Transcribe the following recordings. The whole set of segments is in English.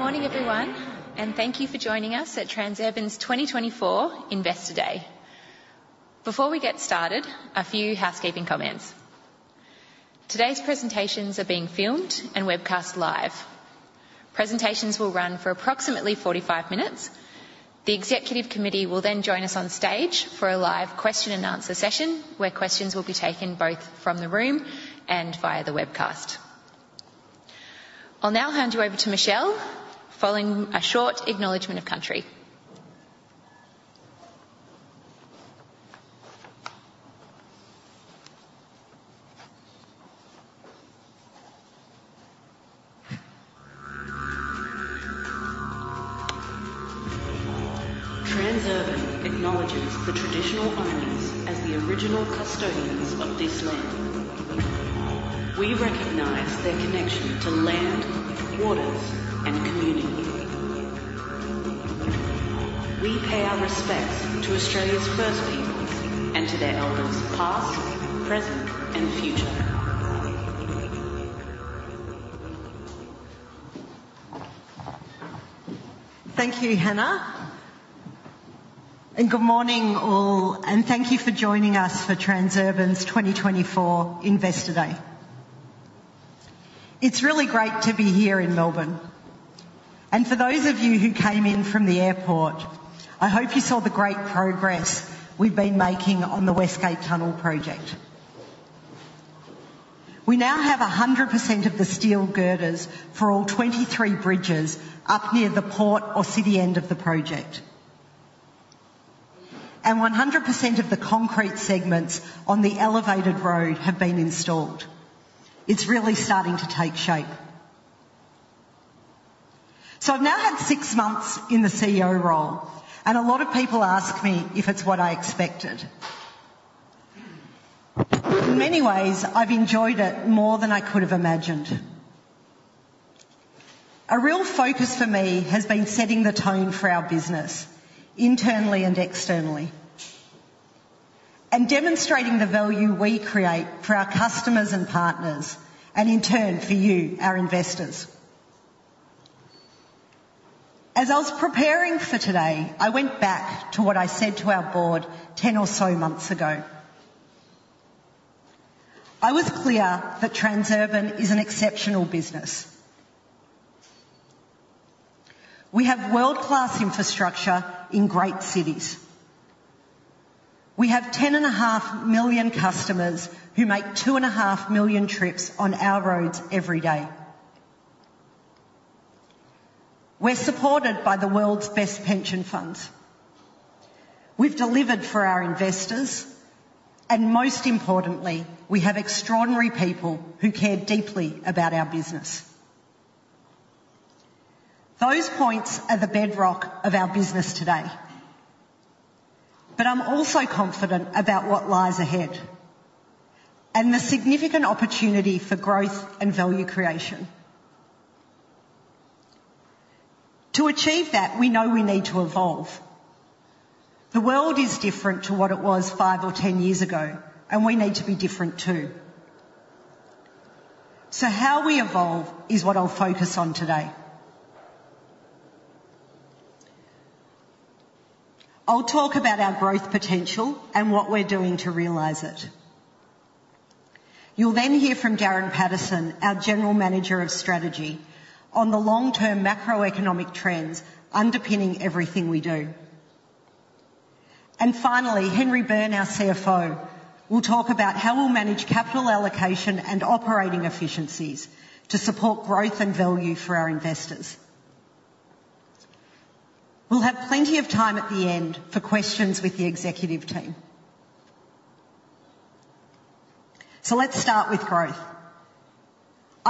Well, good morning, everyone, and thank you for joining us at Transurban's 2024 Investor Day. Before we get started, a few housekeeping comments. Today's presentations are being filmed and webcast live. Presentations will run for approximately 45 minutes. The executive committee will then join us on stage for a live question and answer session, where questions will be taken both from the room and via the webcast. I'll now hand you over to Michelle, following a short acknowledgment of country. Transurban acknowledges the traditional owners as the original custodians of this land. We recognize their connection to land, waters, and community. We pay our respects to Australia's First Peoples and to their elders, past, present, and future. Thank you, Hannah, and good morning, all, and thank you for joining us for Transurban's 2024 Investor Day. It's really great to be here in Melbourne, and for those of you who came in from the airport, I hope you saw the great progress we've been making on the West Gate Tunnel project. We now have 100% of the steel girders for all 23 bridges up near the port or city end of the project. And 100% of the concrete segments on the elevated road have been installed. It's really starting to take shape. So I've now had six months in the CEO role, and a lot of people ask me if it's what I expected. In many ways, I've enjoyed it more than I could have imagined. A real focus for me has been setting the tone for our business, internally and externally, and demonstrating the value we create for our customers and partners, and in turn, for you, our investors. As I was preparing for today, I went back to what I said to our board 10 or so months ago. I was clear that Transurban is an exceptional business. We have world-class infrastructure in great cities. We have 10.5 million customers who make 2.5 million trips on our roads every day. We're supported by the world's best pension funds. We've delivered for our investors, and most importantly, we have extraordinary people who care deeply about our business. Those points are the bedrock of our business today. But I'm also confident about what lies ahead and the significant opportunity for growth and value creation. To achieve that, we know we need to evolve. The world is different to what it was five or 10 years ago, and we need to be different, too. So how we evolve is what I'll focus on today. I'll talk about our growth potential and what we're doing to realize it. You'll then hear from Darren Patterson, our General Manager of Strategy, on the long-term macroeconomic trends underpinning everything we do. And finally, Henry Byrne, our CFO, will talk about how we'll manage capital allocation and operating efficiencies to support growth and value for our investors. We'll have plenty of time at the end for questions with the executive team. So let's start with growth.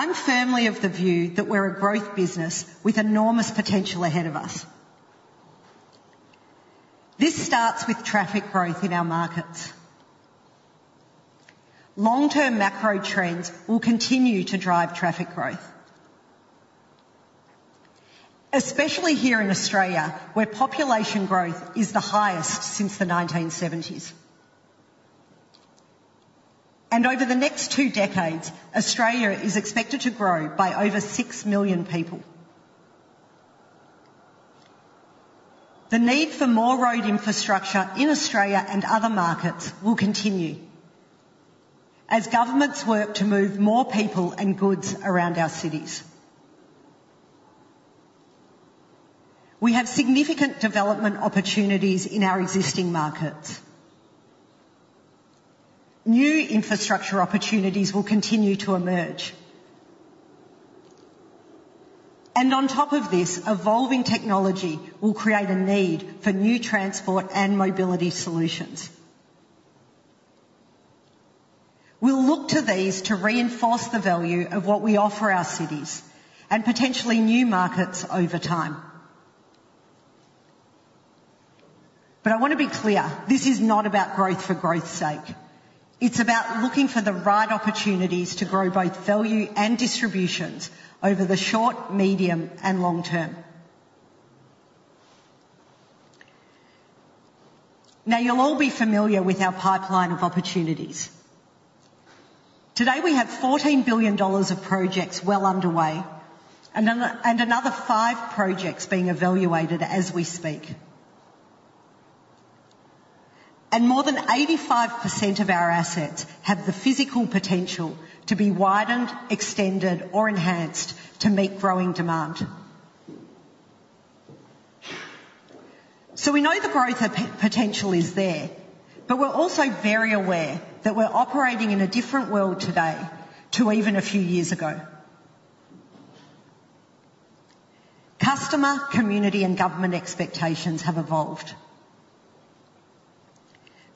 I'm firmly of the view that we're a growth business with enormous potential ahead of us. This starts with traffic growth in our markets. Long-term macro trends will continue to drive traffic growth, especially here in Australia, where population growth is the highest since the 1970s. Over the next two decades, Australia is expected to grow by over 6 million people. The need for more road infrastructure in Australia and other markets will continue as governments work to move more people and goods around our cities. We have significant development opportunities in our existing markets. New infrastructure opportunities will continue to emerge. On top of this, evolving technology will create a need for new transport and mobility solutions. We'll look to these to reinforce the value of what we offer our cities and potentially new markets over time. But I want to be clear, this is not about growth for growth's sake. It's about looking for the right opportunities to grow both value and distributions over the short, medium, and long term... Now, you'll all be familiar with our pipeline of opportunities. Today, we have 14 billion dollars of projects well underway, and another five projects being evaluated as we speak. More than 85% of our assets have the physical potential to be widened, extended, or enhanced to meet growing demand. We know the growth potential is there, but we're also very aware that we're operating in a different world today to even a few years ago. Customer, community, and government expectations have evolved.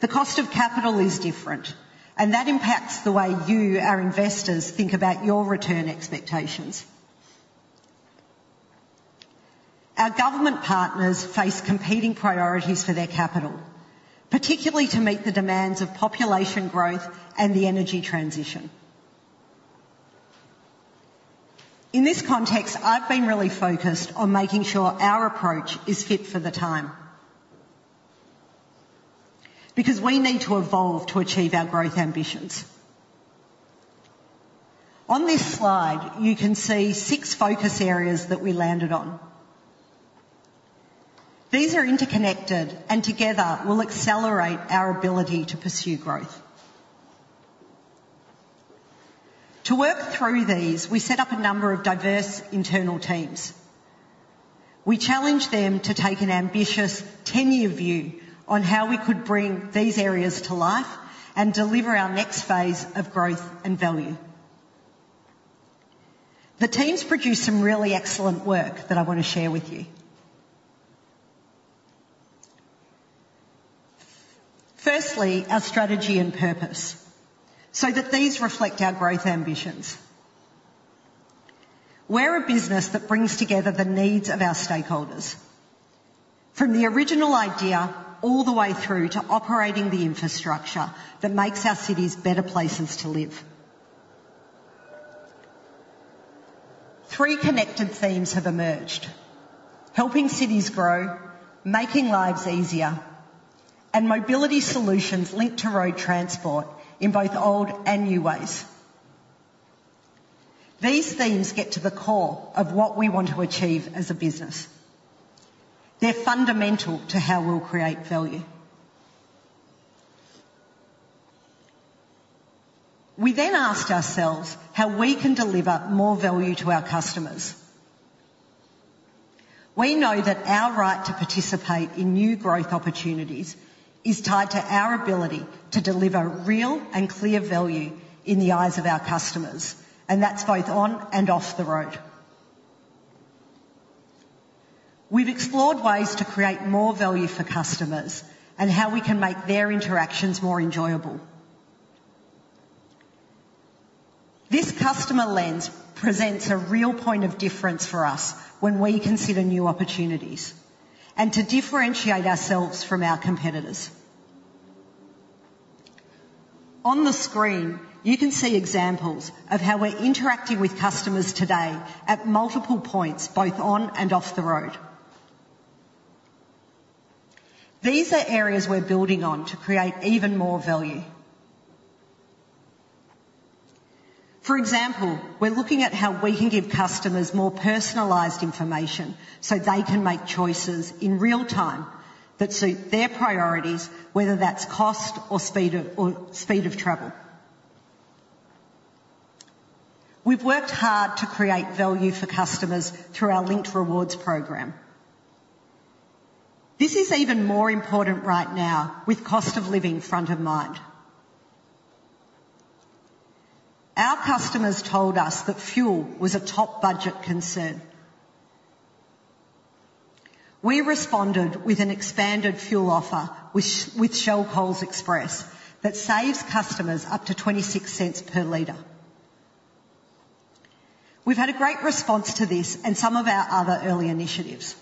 The cost of capital is different, and that impacts the way you, our investors, think about your return expectations. Our government partners face competing priorities for their capital, particularly to meet the demands of population growth and the energy transition. In this context, I've been really focused on making sure our approach is fit for the time, because we need to evolve to achieve our growth ambitions. On this slide, you can see six focus areas that we landed on. These are interconnected, and together will accelerate our ability to pursue growth. To work through these, we set up a number of diverse internal teams. We challenged them to take an ambitious ten-year view on how we could bring these areas to life and deliver our next phase of growth and value. The teams produced some really excellent work that I wanna share with you. Firstly, our strategy and purpose, so that these reflect our growth ambitions. We're a business that brings together the needs of our stakeholders, from the original idea all the way through to operating the infrastructure that makes our cities better places to live. Three connected themes have emerged: helping cities grow, making lives easier, and mobility solutions linked to road transport in both old and new ways. These themes get to the core of what we want to achieve as a business. They're fundamental to how we'll create value. We then asked ourselves how we can deliver more value to our customers. We know that our right to participate in new growth opportunities is tied to our ability to deliver real and clear value in the eyes of our customers, and that's both on and off the road. We've explored ways to create more value for customers and how we can make their interactions more enjoyable. This customer lens presents a real point of difference for us when we consider new opportunities, and to differentiate ourselves from our competitors. On the screen, you can see examples of how we're interacting with customers today at multiple points, both on and off the road. These are areas we're building on to create even more value. For example, we're looking at how we can give customers more personalized information, so they can make choices in real time that suit their priorities, whether that's cost or speed of travel. We've worked hard to create value for customers through our Linkt Rewards program. This is even more important right now with cost of living front of mind. Our customers told us that fuel was a top budget concern. We responded with an expanded fuel offer with Shell Coles Express that saves customers up to 0.26 per liter. We've had a great response to this and some of our other early initiatives.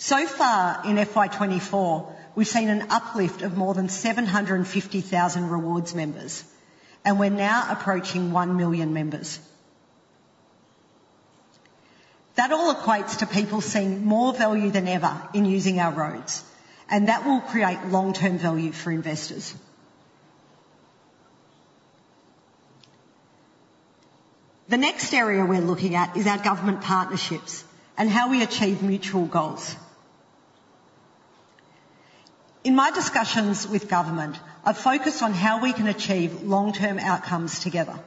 So far in FY 2024, we've seen an uplift of more than 750,000 rewards members, and we're now approaching 1 million members. That all equates to people seeing more value than ever in using our roads, and that will create long-term value for investors. The next area we're looking at is our government partnerships and how we achieve mutual goals. In my discussions with government, I've focused on how we can achieve long-term outcomes together.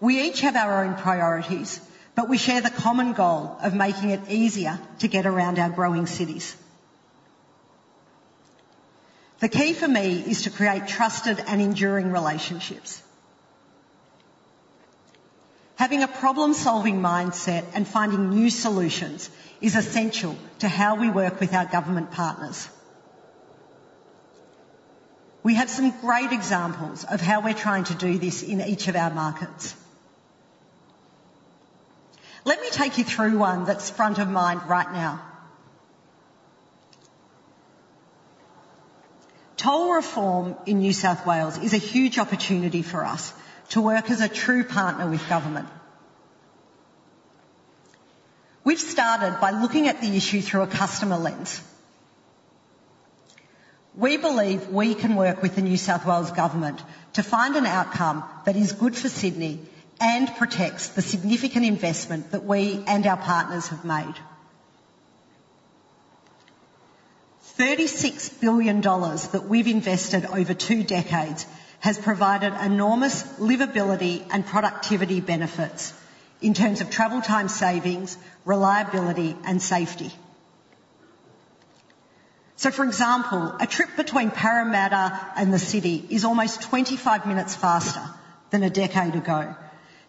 We each have our own priorities, but we share the common goal of making it easier to get around our growing cities. The key for me is to create trusted and enduring relationships. Having a problem-solving mindset and finding new solutions is essential to how we work with our government partners. We have some great examples of how we're trying to do this in each of our markets. Let me take you through one that's front of mind right now.... Toll reform in New South Wales is a huge opportunity for us to work as a true partner with government. We've started by looking at the issue through a customer lens. We believe we can work with the New South Wales government to find an outcome that is good for Sydney and protects the significant investment that we and our partners have made. 36 billion dollars that we've invested over 2 decades has provided enormous livability and productivity benefits in terms of travel time savings, reliability and safety. So for example, a trip between Parramatta and the city is almost 25 minutes faster than a decade ago,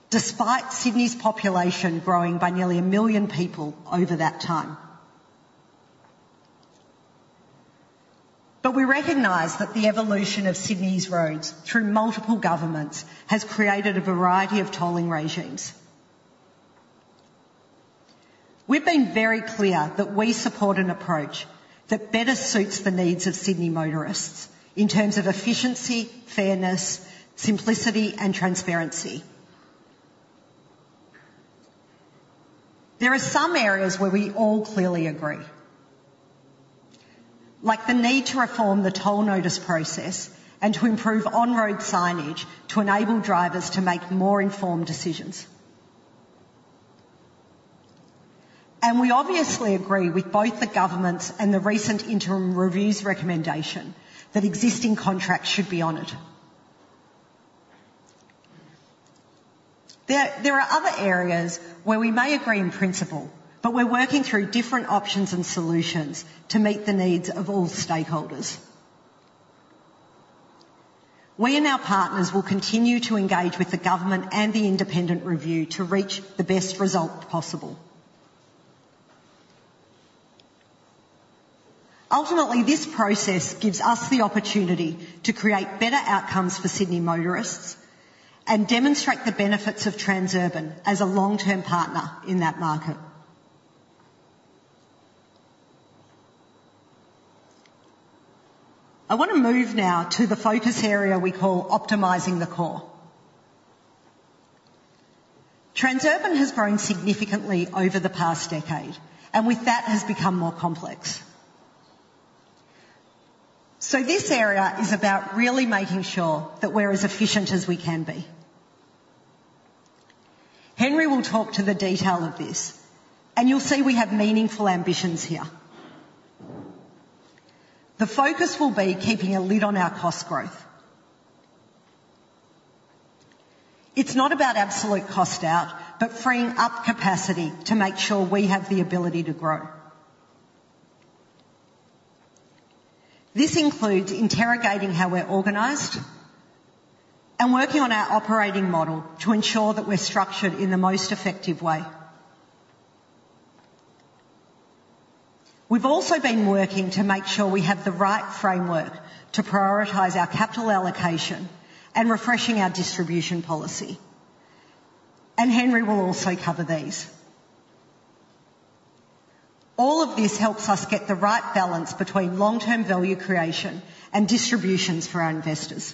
despite Sydney's population growing by nearly 1 million people over that time. But we recognize that the evolution of Sydney's roads through multiple governments has created a variety of tolling regimes. We've been very clear that we support an approach that better suits the needs of Sydney motorists in terms of efficiency, fairness, simplicity and transparency. There are some areas where we all clearly agree, like the need to reform the toll notice process and to improve on-road signage to enable drivers to make more informed decisions. We obviously agree with both the governments and the recent interim review's recommendation that existing contracts should be honored. There are other areas where we may agree in principle, but we're working through different options and solutions to meet the needs of all stakeholders. We and our partners will continue to engage with the government and the independent review to reach the best result possible. Ultimately, this process gives us the opportunity to create better outcomes for Sydney motorists and demonstrate the benefits of Transurban as a long-term partner in that market. I want to move now to the focus area we call optimizing the core. Transurban has grown significantly over the past decade, and with that has become more complex. So this area is about really making sure that we're as efficient as we can be. Henry will talk to the detail of this, and you'll see we have meaningful ambitions here. The focus will be keeping a lid on our cost growth. It's not about absolute cost out, but freeing up capacity to make sure we have the ability to grow. This includes interrogating how we're organized and working on our operating model to ensure that we're structured in the most effective way. We've also been working to make sure we have the right framework to prioritize our capital allocation and refreshing our distribution policy. Henry will also cover these. All of this helps us get the right balance between long-term value creation and distributions for our investors.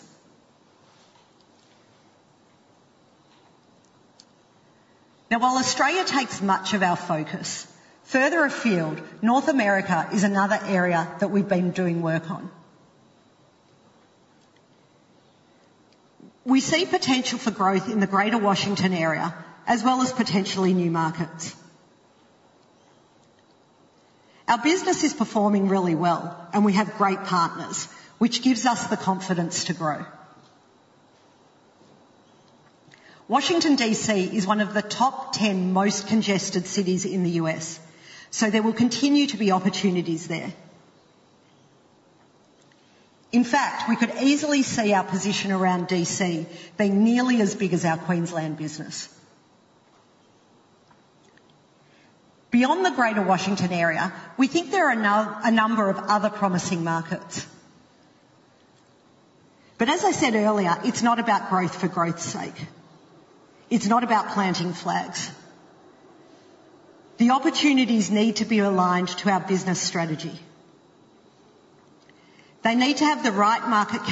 Now, while Australia takes much of our focus, further afield, North America is another area that we've been doing work on. We see potential for growth in the Greater Washington Area, as well as potentially new markets. Our business is performing really well, and we have great partners, which gives us the confidence to grow. Washington, D.C., is one of the top 10 most congested cities in the U.S., so there will continue to be opportunities there. In fact, we could easily see our position around D.C. being nearly as big as our Queensland business. Beyond the Greater Washington Area, we think there are a number of other promising markets. But as I said earlier, it's not about growth for growth's sake. It's not about planting flags. The opportunities need to be aligned to our business strategy. They need to have the right market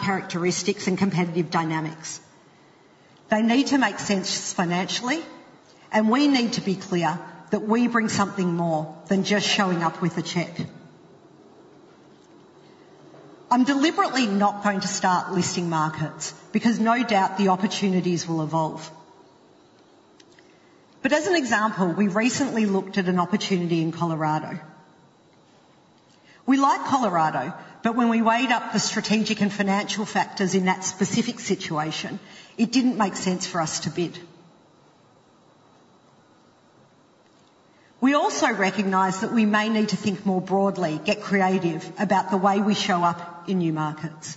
characteristics and competitive dynamics. They need to make sense financially, and we need to be clear that we bring something more than just showing up with a check. I'm deliberately not going to start listing markets because no doubt the opportunities will evolve. But as an example, we recently looked at an opportunity in Colorado. We like Colorado, but when we weighed up the strategic and financial factors in that specific situation, it didn't make sense for us to bid. We also recognize that we may need to think more broadly, get creative about the way we show up in new markets.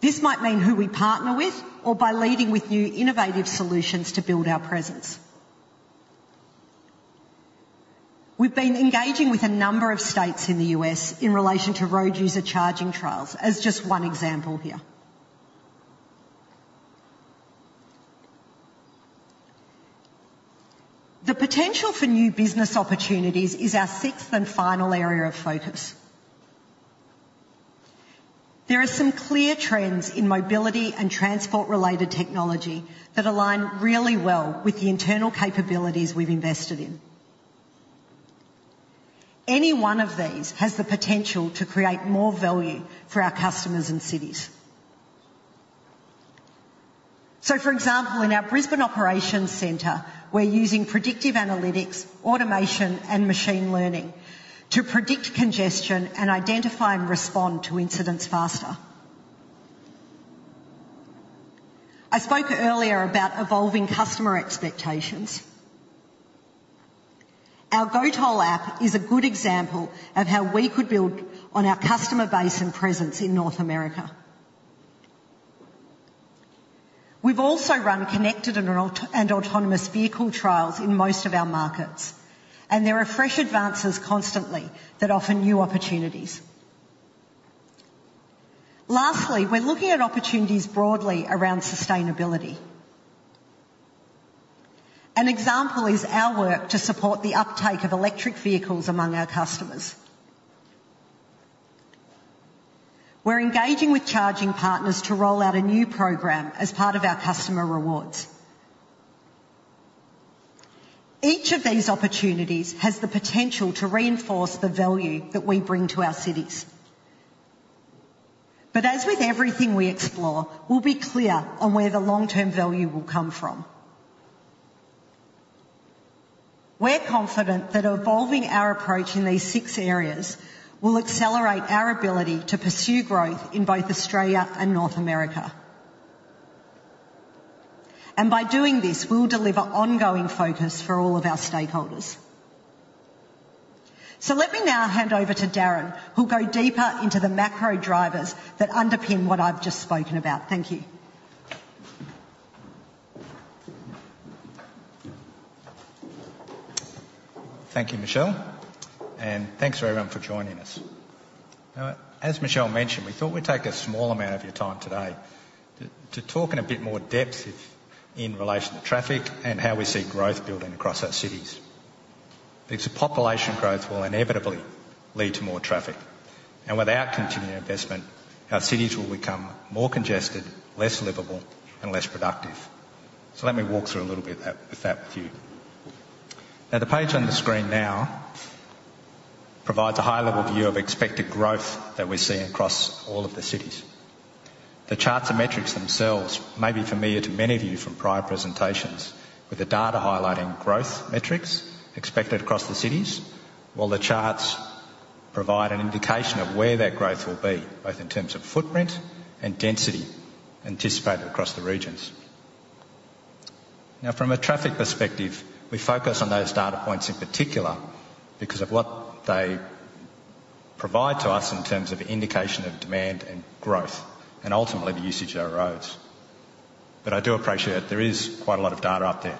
This might mean who we partner with or by leading with new innovative solutions to build our presence. We've been engaging with a number of states in the U.S. in relation to road user charging trials, as just one example here. The potential for new business opportunities is our sixth and final area of focus. There are some clear trends in mobility and transport-related technology that align really well with the internal capabilities we've invested in. Any one of these has the potential to create more value for our customers and cities. So for example, in our Brisbane Operations Center, we're using predictive analytics, automation, and machine learning to predict congestion and identify and respond to incidents faster. I spoke earlier about evolving customer expectations. Our GoToll app is a good example of how we could build on our customer base and presence in North America. We've also run connected and autonomous vehicle trials in most of our markets, and there are fresh advances constantly that offer new opportunities. Lastly, we're looking at opportunities broadly around sustainability. An example is our work to support the uptake of electric vehicles among our customers. We're engaging with charging partners to roll out a new program as part of our customer rewards. Each of these opportunities has the potential to reinforce the value that we bring to our cities. But as with everything we explore, we'll be clear on where the long-term value will come from. We're confident that evolving our approach in these six areas will accelerate our ability to pursue growth in both Australia and North America. And by doing this, we'll deliver ongoing focus for all of our stakeholders. Let me now hand over to Darren, who'll go deeper into the macro drivers that underpin what I've just spoken about. Thank you. Thank you, Michelle, and thanks to everyone for joining us. As Michelle mentioned, we thought we'd take a small amount of your time today to talk in a bit more depth in relation to traffic and how we see growth building across our cities. Because population growth will inevitably lead to more traffic, and without continuing investment, our cities will become more congested, less livable, and less productive. So let me walk through a little bit of that with that view. Now, the page on the screen now provides a high-level view of expected growth that we're seeing across all of the cities. The charts and metrics themselves may be familiar to many of you from prior presentations, with the data highlighting growth metrics expected across the cities, while the charts provide an indication of where that growth will be, both in terms of footprint and density anticipated across the regions. Now, from a traffic perspective, we focus on those data points in particular because of what they provide to us in terms of indication of demand and growth, and ultimately the usage of our roads. But I do appreciate there is quite a lot of data out there.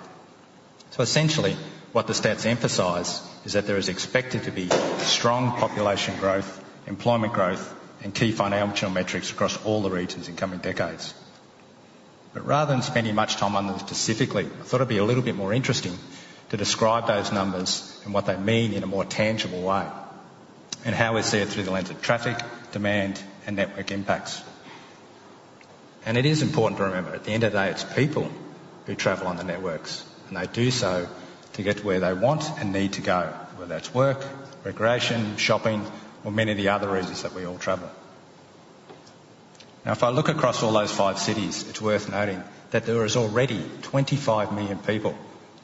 So essentially, what the stats emphasize is that there is expected to be strong population growth, employment growth, and key financial metrics across all the regions in coming decades. But rather than spending much time on them specifically, I thought it'd be a little bit more interesting to describe those numbers and what they mean in a more tangible way, and how we see it through the lens of traffic, demand, and network impacts. It is important to remember, at the end of the day, it's people who travel on the networks, and they do so to get to where they want and need to go, whether that's work, recreation, shopping, or many of the other reasons that we all travel. Now, if I look across all those five cities, it's worth noting that there is already 25 million people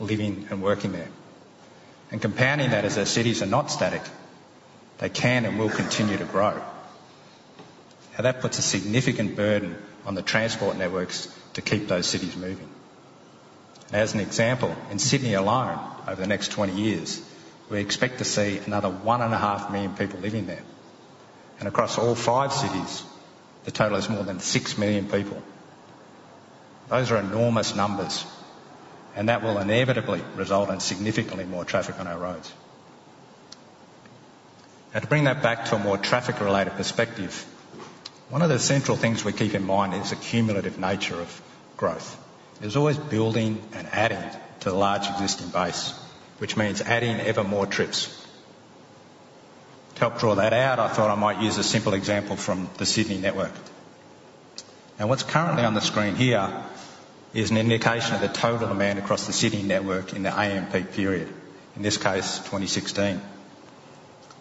living and working there. Compounding that as our cities are not static, they can and will continue to grow. Now, that puts a significant burden on the transport networks to keep those cities moving. As an example, in Sydney alone, over the next 20 years, we expect to see another 1.5 million people living there. Across all five cities, the total is more than 6 million people. Those are enormous numbers, and that will inevitably result in significantly more traffic on our roads. Now, to bring that back to a more traffic-related perspective, one of the central things we keep in mind is the cumulative nature of growth. There's always building and adding to the large existing base, which means adding ever more trips. To help draw that out, I thought I might use a simple example from the Sydney network. Now, what's currently on the screen here is an indication of the total demand across the Sydney network in the AM peak period, in this case, 2016.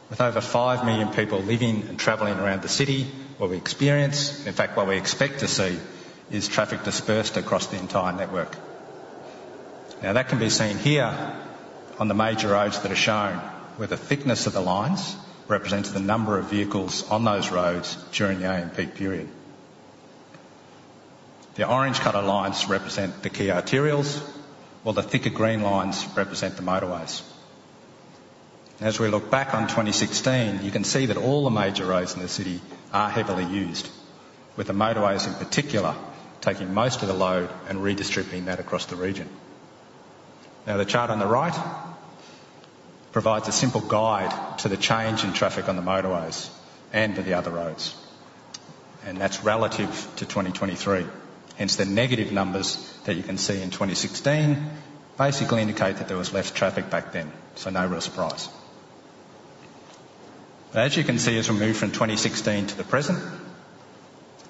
With over 5 million people living and traveling around the city, what we experience, in fact, what we expect to see, is traffic dispersed across the entire network. Now, that can be seen here on the major roads that are shown, where the thickness of the lines represents the number of vehicles on those roads during the AM peak period. The orange color lines represent the key arterials, while the thicker green lines represent the motorways. As we look back on 2016, you can see that all the major roads in the city are heavily used, with the motorways in particular, taking most of the load and redistributing that across the region. Now, the chart on the right provides a simple guide to the change in traffic on the motorways and to the other roads, and that's relative to 2023. Hence, the negative numbers that you can see in 2016 basically indicate that there was less traffic back then, so no real surprise. As you can see, as we move from 2016 to the present,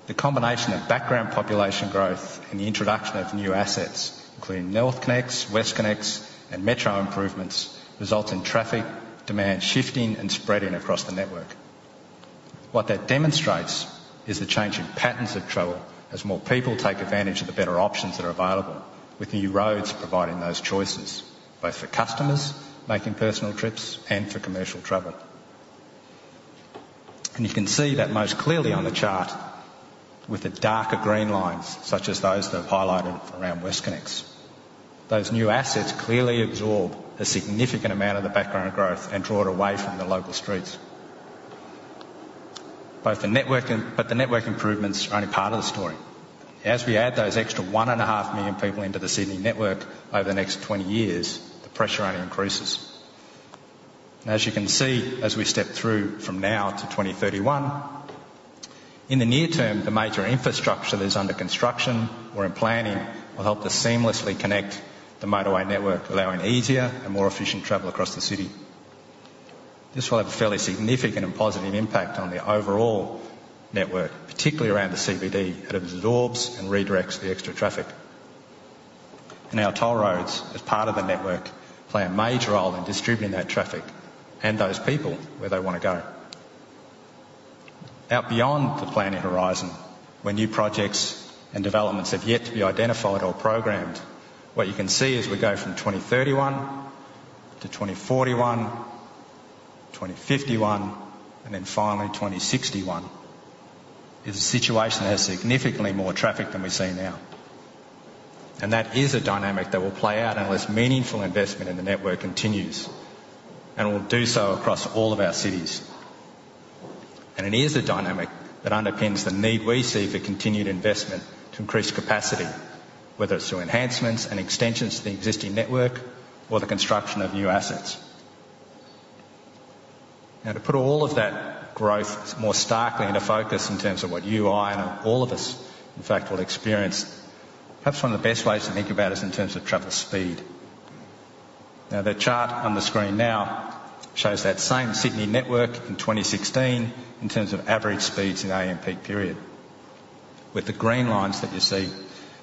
the combination of background population growth and the introduction of new assets, including NorthConnex, WestConnex, and metro improvements, result in traffic demand shifting and spreading across the network. What that demonstrates is the change in patterns of travel as more people take advantage of the better options that are available, with new roads providing those choices, both for customers making personal trips and for commercial travel. And you can see that most clearly on the chart with the darker green lines, such as those that I've highlighted around WestConnex. Those new assets clearly absorb a significant amount of the background growth and draw it away from the local streets. But the network improvements are only part of the story. As we add those extra 1.5 million people into the Sydney network over the next 20 years, the pressure only increases. As you can see, as we step through from now to 2031, in the near term, the major infrastructure that is under construction or in planning will help to seamlessly connect the motorway network, allowing easier and more efficient travel across the city. This will have a fairly significant and positive impact on the overall network, particularly around the CBD, that absorbs and redirects the extra traffic. Our toll roads, as part of the network, play a major role in distributing that traffic and those people where they want to go. Out beyond the planning horizon, where new projects and developments have yet to be identified or programmed, what you can see as we go from 2031 to 2041, 2051, and then finally, 2061, is a situation that has significantly more traffic than we see now. And that is a dynamic that will play out unless meaningful investment in the network continues, and will do so across all of our cities. And it is a dynamic that underpins the need we see for continued investment to increase capacity, whether it's through enhancements and extensions to the existing network or the construction of new assets. Now, to put all of that growth more starkly into focus in terms of what you, I, and all of us, in fact, will experience, perhaps one of the best ways to think about it is in terms of travel speed. Now, the chart on the screen now shows that same Sydney network in 2016 in terms of average speeds in AM peak period, with the green lines that you see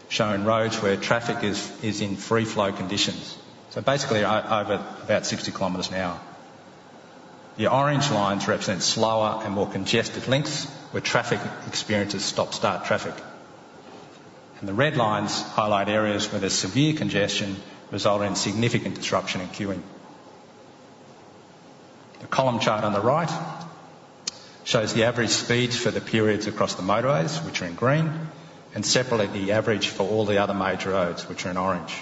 showing roads where traffic is in free flow conditions, so basically over about 60 kilometers an hour. The orange lines represent slower and more congested lengths, where traffic experiences stop-start traffic. The red lines highlight areas where there's severe congestion, resulting in significant disruption and queuing. The column chart on the right shows the average speeds for the periods across the motorways, which are in green, and separately, the average for all the other major roads, which are in orange.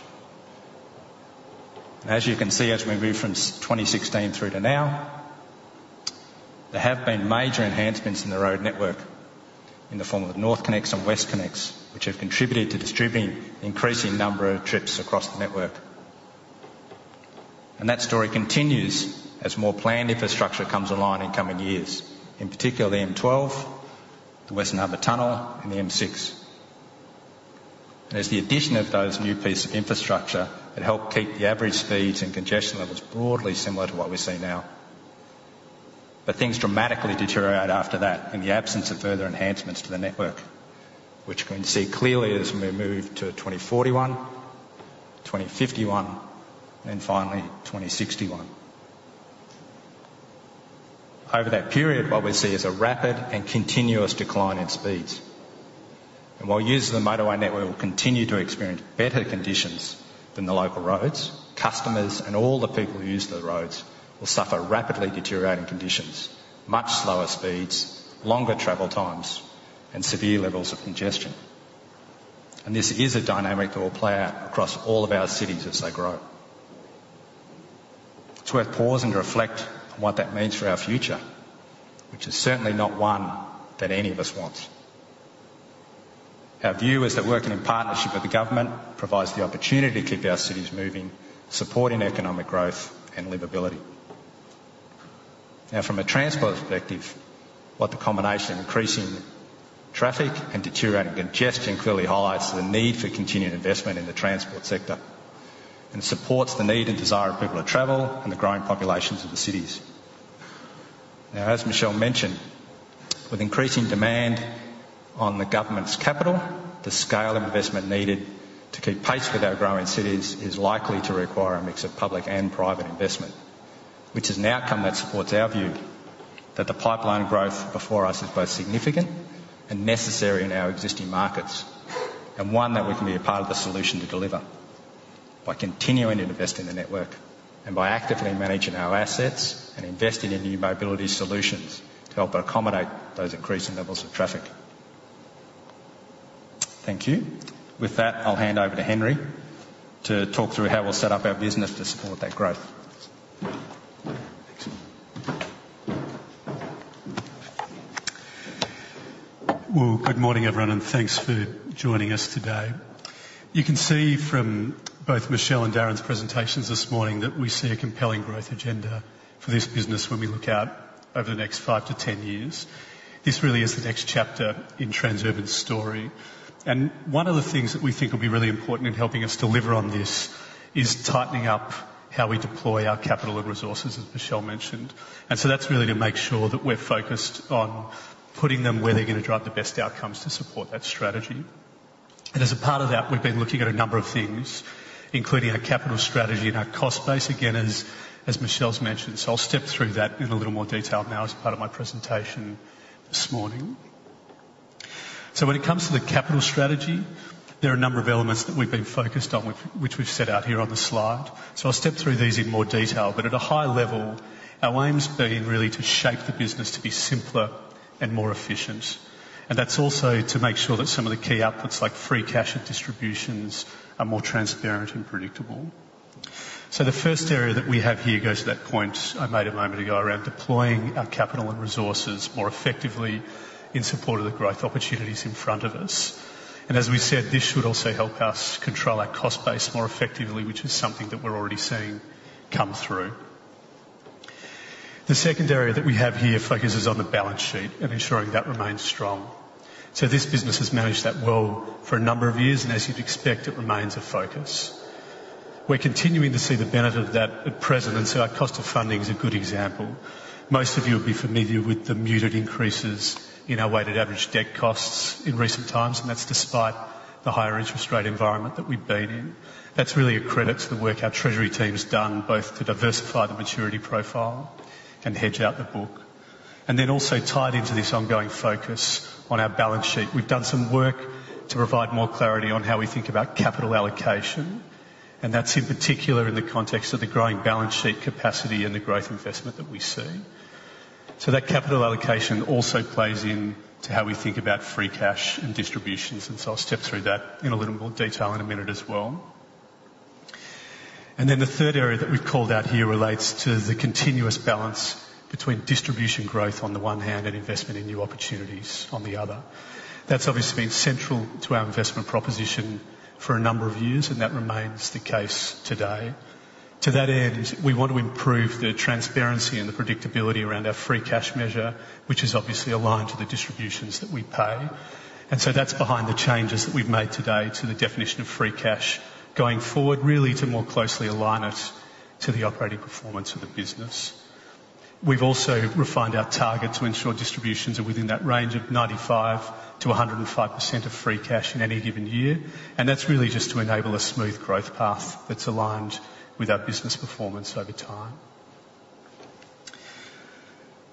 As you can see, as we move from 2016 through to now, there have been major enhancements in the road network in the form of NorthConnex and WestConnex, which have contributed to distributing the increasing number of trips across the network. That story continues as more planned infrastructure comes online in coming years, in particular the M12, the Western Harbour Tunnel, and the M6. As the addition of those new pieces of infrastructure that help keep the average speeds and congestion levels broadly similar to what we see now. Things dramatically deteriorate after that in the absence of further enhancements to the network, which we can see clearly as we move to 2041, 2051, and finally, 2061. Over that period, what we see is a rapid and continuous decline in speeds. While users of the motorway network will continue to experience better conditions than the local roads, customers and all the people who use the roads will suffer rapidly deteriorating conditions, much slower speeds, longer travel times, and severe levels of congestion. This is a dynamic that will play out across all of our cities as they grow. It's worth pause and reflect on what that means for our future, which is certainly not one that any of us wants. Our view is that working in partnership with the government provides the opportunity to keep our cities moving, supporting economic growth and livability. Now, from a transport perspective, what the combination of increasing traffic and deteriorating congestion clearly highlights the need for continued investment in the transport sector and supports the need and desire of people to travel and the growing populations of the cities. Now, as Michelle mentioned, with increasing demand on the government's capital, the scale of investment needed to keep pace with our growing cities is likely to require a mix of public and private investment, which is an outcome that supports our view that the pipeline growth before us is both significant and necessary in our existing markets, and one that we can be a part of the solution to deliver by continuing to invest in the network and by actively managing our assets and investing in new mobility solutions to help but accommodate those increasing levels of traffic. Thank you. With that, I'll hand over to Henry to talk through how we'll set up our business to support that growth. ... Well, good morning, everyone, and thanks for joining us today. You can see from both Michelle and Darren's presentations this morning that we see a compelling growth agenda for this business when we look out over the next 5-10 years. This really is the next chapter in Transurban's story, and one of the things that we think will be really important in helping us deliver on this is tightening up how we deploy our capital and resources, as Michelle mentioned. As a part of that, we've been looking at a number of things, including our capital strategy and our cost base, again, as Michelle's mentioned. So I'll step through that in a little more detail now as part of my presentation this morning. So when it comes to the capital strategy, there are a number of elements that we've been focused on, which we've set out here on the slide. So I'll step through these in more detail, but at a high level, our aim has been really to shape the business to be simpler and more efficient. And that's also to make sure that some of the key outputs, like free cash and distributions, are more transparent and predictable. So the first area that we have here goes to that point I made a moment ago around deploying our capital and resources more effectively in support of the growth opportunities in front of us. As we said, this should also help us control our cost base more effectively, which is something that we're already seeing come through. The second area that we have here focuses on the balance sheet and ensuring that remains strong. So this business has managed that well for a number of years, and as you'd expect, it remains a focus. We're continuing to see the benefit of that at present, and so our cost of funding is a good example. Most of you will be familiar with the muted increases in our weighted average debt costs in recent times, and that's despite the higher interest rate environment that we've been in. That's really a credit to the work our treasury team has done, both to diversify the maturity profile and hedge out the book. And then also tied into this ongoing focus on our balance sheet, we've done some work to provide more clarity on how we think about capital allocation, and that's in particular in the context of the growing balance sheet capacity and the growth investment that we see. So that capital allocation also plays in to how we think about free cash and distributions, and so I'll step through that in a little more detail in a minute as well. And then the third area that we've called out here relates to the continuous balance between distribution growth on the one hand, and investment in new opportunities on the other. That's obviously been central to our investment proposition for a number of years, and that remains the case today. To that end, we want to improve the transparency and the predictability around our free cash measure, which is obviously aligned to the distributions that we pay. And so that's behind the changes that we've made today to the definition of free cash going forward, really, to more closely align it to the operating performance of the business. We've also refined our target to ensure distributions are within that range of 95%-105% of free cash in any given year, and that's really just to enable a smooth growth path that's aligned with our business performance over time.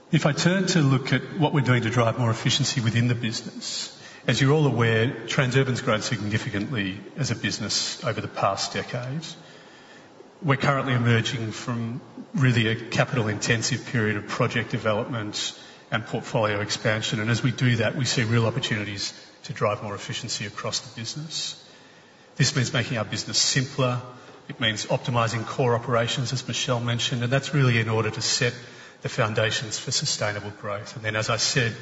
If I turn to look at what we're doing to drive more efficiency within the business, as you're all aware, Transurban's grown significantly as a business over the past decade. We're currently emerging from really a capital-intensive period of project development and portfolio expansion, and as we do that, we see real opportunities to drive more efficiency across the business. This means making our business simpler. It means optimizing core operations, as Michelle mentioned, and that's really in order to set the foundations for sustainable growth. And then, as I said,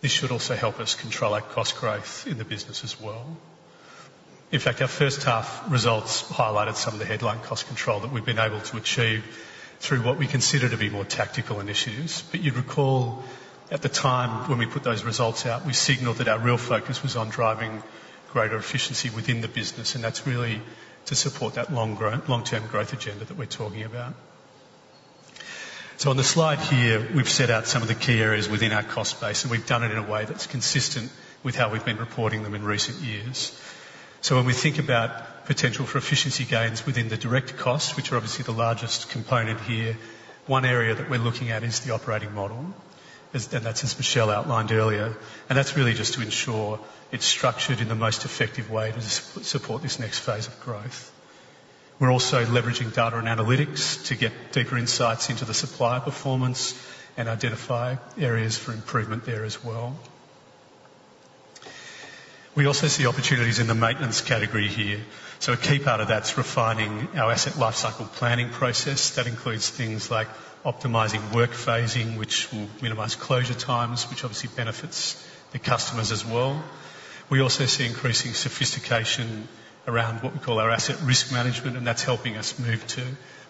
this should also help us control our cost growth in the business as well. In fact, our first half results highlighted some of the headline cost control that we've been able to achieve through what we consider to be more tactical initiatives. But you'd recall at the time when we put those results out, we signaled that our real focus was on driving greater efficiency within the business, and that's really to support that long-term growth agenda that we're talking about. So on the slide here, we've set out some of the key areas within our cost base, and we've done it in a way that's consistent with how we've been reporting them in recent years. So when we think about potential for efficiency gains within the direct costs, which are obviously the largest component here, one area that we're looking at is the operating model, and that's as Michelle outlined earlier, and that's really just to ensure it's structured in the most effective way to support this next phase of growth. We're also leveraging data and analytics to get deeper insights into the supplier performance and identify areas for improvement there as well. We also see opportunities in the maintenance category here. So a key part of that's refining our asset lifecycle planning process. That includes things like optimizing work phasing, which will minimize closure times, which obviously benefits the customers as well. We also see increasing sophistication around what we call our asset risk management, and that's helping us move to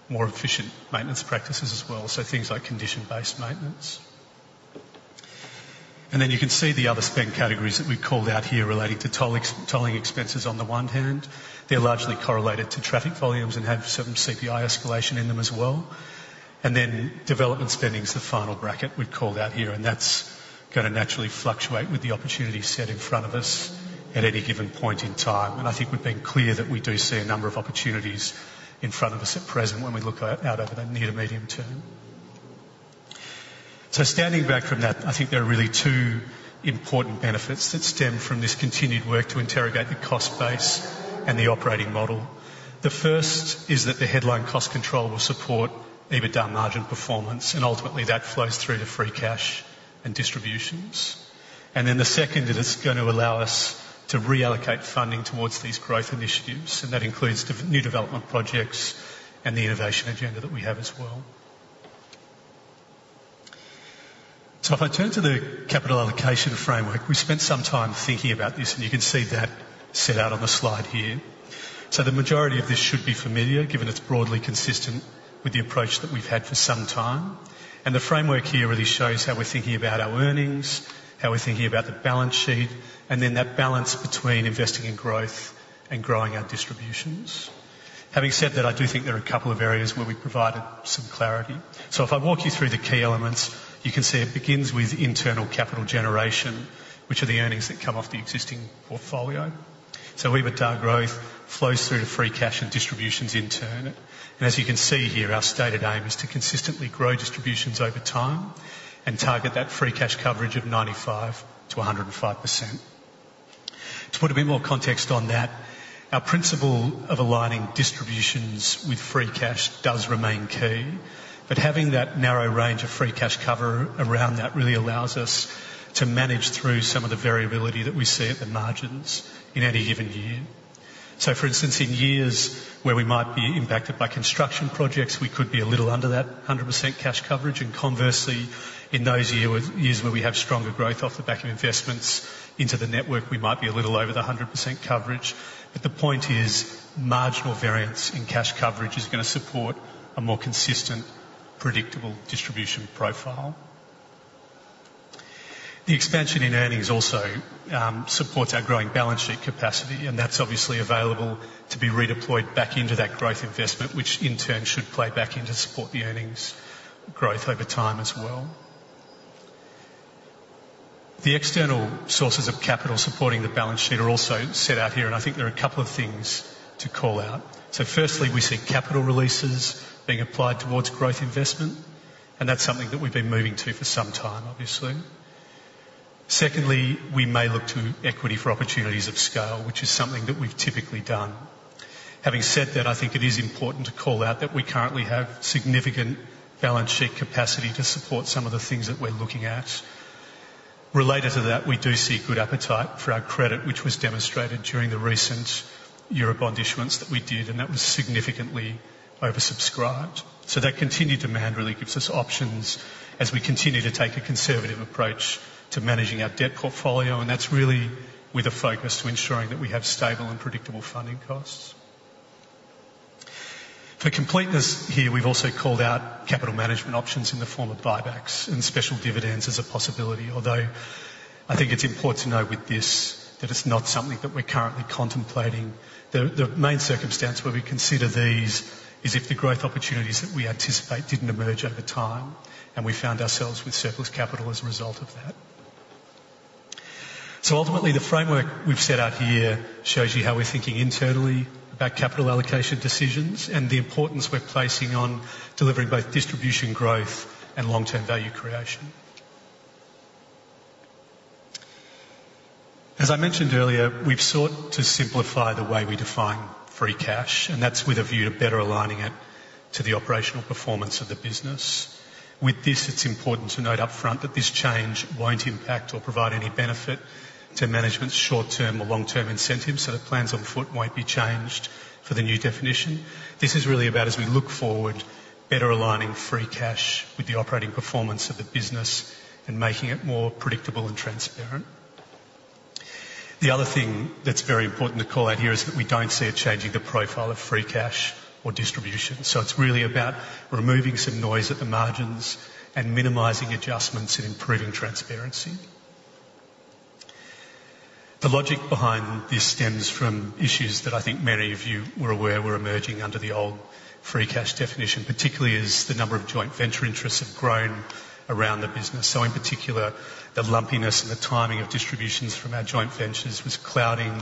more efficient maintenance practices as well, so things like condition-based maintenance. And then you can see the other spend categories that we've called out here relating to tolling expenses on the one hand, they're largely correlated to traffic volumes and have certain CPI escalation in them as well. And then development spending is the final bracket we've called out here, and that's going to naturally fluctuate with the opportunities set in front of us at any given point in time. I think we've been clear that we do see a number of opportunities in front of us at present when we look out over the near to medium term. So standing back from that, I think there are really two important benefits that stem from this continued work to interrogate the cost base and the operating model. The first is that the headline cost control will support EBITDA margin performance, and ultimately that flows through to free cash and distributions. And then the second is it's going to allow us to reallocate funding towards these growth initiatives, and that includes new development projects and the innovation agenda that we have as well. So if I turn to the capital allocation framework, we spent some time thinking about this, and you can see that set out on the slide here. So the majority of this should be familiar, given it's broadly consistent with the approach that we've had for some time. The framework here really shows how we're thinking about our earnings, how we're thinking about the balance sheet, and then that balance between investing in growth and growing our distributions. Having said that, I do think there are a couple of areas where we provided some clarity. So if I walk you through the key elements, you can see it begins with internal capital generation, which are the earnings that come off the existing portfolio. So EBITDA growth flows through to free cash and distributions in turn. And as you can see here, our stated aim is to consistently grow distributions over time and target that free cash coverage of 95%-105%. To put a bit more context on that, our principle of aligning distributions with Free Cash does remain key, but having that narrow range of Free Cash cover around that really allows us to manage through some of the variability that we see at the margins in any given year. So for instance, in years where we might be impacted by construction projects, we could be a little under that 100% cash coverage. And conversely, in those years, years where we have stronger growth off the back of investments into the network, we might be a little over the 100% coverage. But the point is, marginal variance in cash coverage is going to support a more consistent, predictable distribution profile. The expansion in earnings also supports our growing balance sheet capacity, and that's obviously available to be redeployed back into that growth investment, which in turn should play back in to support the earnings growth over time as well. The external sources of capital supporting the balance sheet are also set out here, and I think there are a couple of things to call out. Firstly, we see capital releases being applied towards growth investment, and that's something that we've been moving to for some time, obviously. Secondly, we may look to equity for opportunities of scale, which is something that we've typically done. Having said that, I think it is important to call out that we currently have significant balance sheet capacity to support some of the things that we're looking at. Related to that, we do see good appetite for our credit, which was demonstrated during the recent Eurobond issuance that we did, and that was significantly oversubscribed. So that continued demand really gives us options as we continue to take a conservative approach to managing our debt portfolio, and that's really with a focus to ensuring that we have stable and predictable funding costs. For completeness here, we've also called out capital management options in the form of buybacks and special dividends as a possibility. Although, I think it's important to note with this, that it's not something that we're currently contemplating. The main circumstance where we consider these is if the growth opportunities that we anticipate didn't emerge over time, and we found ourselves with surplus capital as a result of that. So ultimately, the framework we've set out here shows you how we're thinking internally about capital allocation decisions and the importance we're placing on delivering both distribution growth and long-term value creation. As I mentioned earlier, we've sought to simplify the way we define Free Cash, and that's with a view to better aligning it to the operational performance of the business. With this, it's important to note upfront that this change won't impact or provide any benefit to management's short-term or long-term incentives, so the plans on foot won't be changed for the new definition. This is really about, as we look forward, better aligning Free Cash with the operating performance of the business and making it more predictable and transparent. The other thing that's very important to call out here is that we don't see it changing the profile of Free Cash or distribution. So it's really about removing some noise at the margins and minimizing adjustments and improving transparency. The logic behind this stems from issues that I think many of you were aware were emerging under the old free cash definition, particularly as the number of joint venture interests have grown around the business. So in particular, the lumpiness and the timing of distributions from our joint ventures was clouding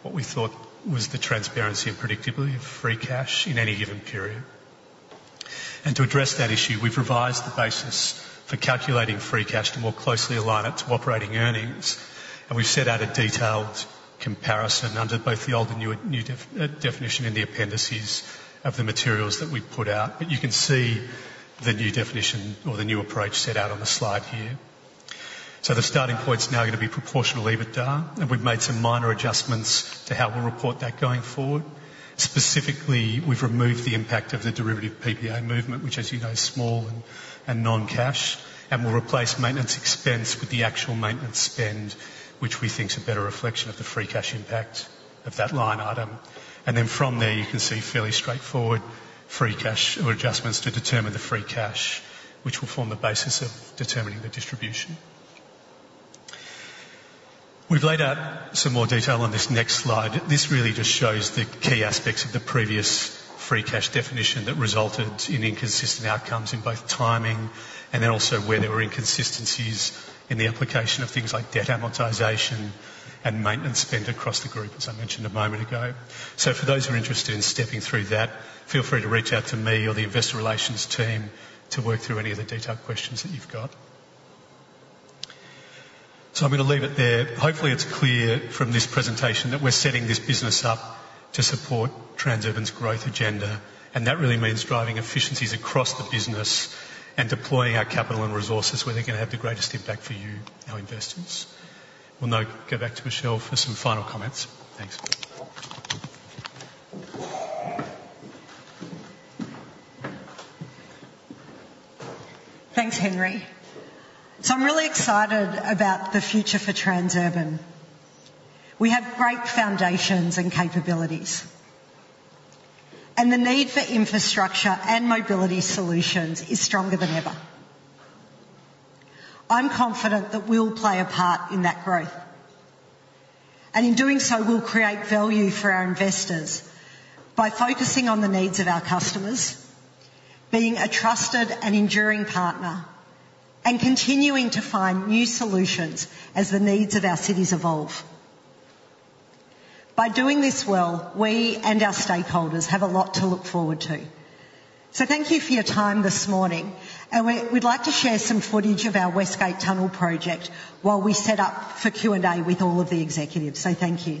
what we thought was the transparency and predictability of free cash in any given period. And to address that issue, we've revised the basis for calculating free cash to more closely align it to operating earnings, and we've set out a detailed comparison under both the old and new definition in the appendices of the materials that we've put out. But you can see the new definition or the new approach set out on the slide here. So the starting point is now going to be proportional EBITDA, and we've made some minor adjustments to how we'll report that going forward. Specifically, we've removed the impact of the derivative PPA movement, which as you know, is small and non-cash, and we'll replace maintenance expense with the actual maintenance spend, which we think is a better reflection of the free cash impact of that line item. And then from there, you can see fairly straightforward free cash or adjustments to determine the free cash, which will form the basis of determining the distribution. We've laid out some more detail on this next slide. This really just shows the key aspects of the previous free cash definition that resulted in inconsistent outcomes in both timing and then also where there were inconsistencies in the application of things like debt amortization and maintenance spend across the group, as I mentioned a moment ago. So for those who are interested in stepping through that, feel free to reach out to me or the investor relations team to work through any of the detailed questions that you've got. So I'm going to leave it there. Hopefully, it's clear from this presentation that we're setting this business up to support Transurban's growth agenda, and that really means driving efficiencies across the business and deploying our capital and resources where they're going to have the greatest impact for you, our investors. We'll now go back to Michelle for some final comments. Thanks.... Thanks, Henry. So I'm really excited about the future for Transurban. We have great foundations and capabilities, and the need for infrastructure and mobility solutions is stronger than ever. I'm confident that we'll play a part in that growth, and in doing so, we'll create value for our investors by focusing on the needs of our customers, being a trusted and enduring partner, and continuing to find new solutions as the needs of our cities evolve. By doing this well, we and our stakeholders have a lot to look forward to. So thank you for your time this morning, and we, we'd like to share some footage of our West Gate Tunnel project while we set up for Q&A with all of the executives. So thank you. Thanks very much, Michelle, and I hope that you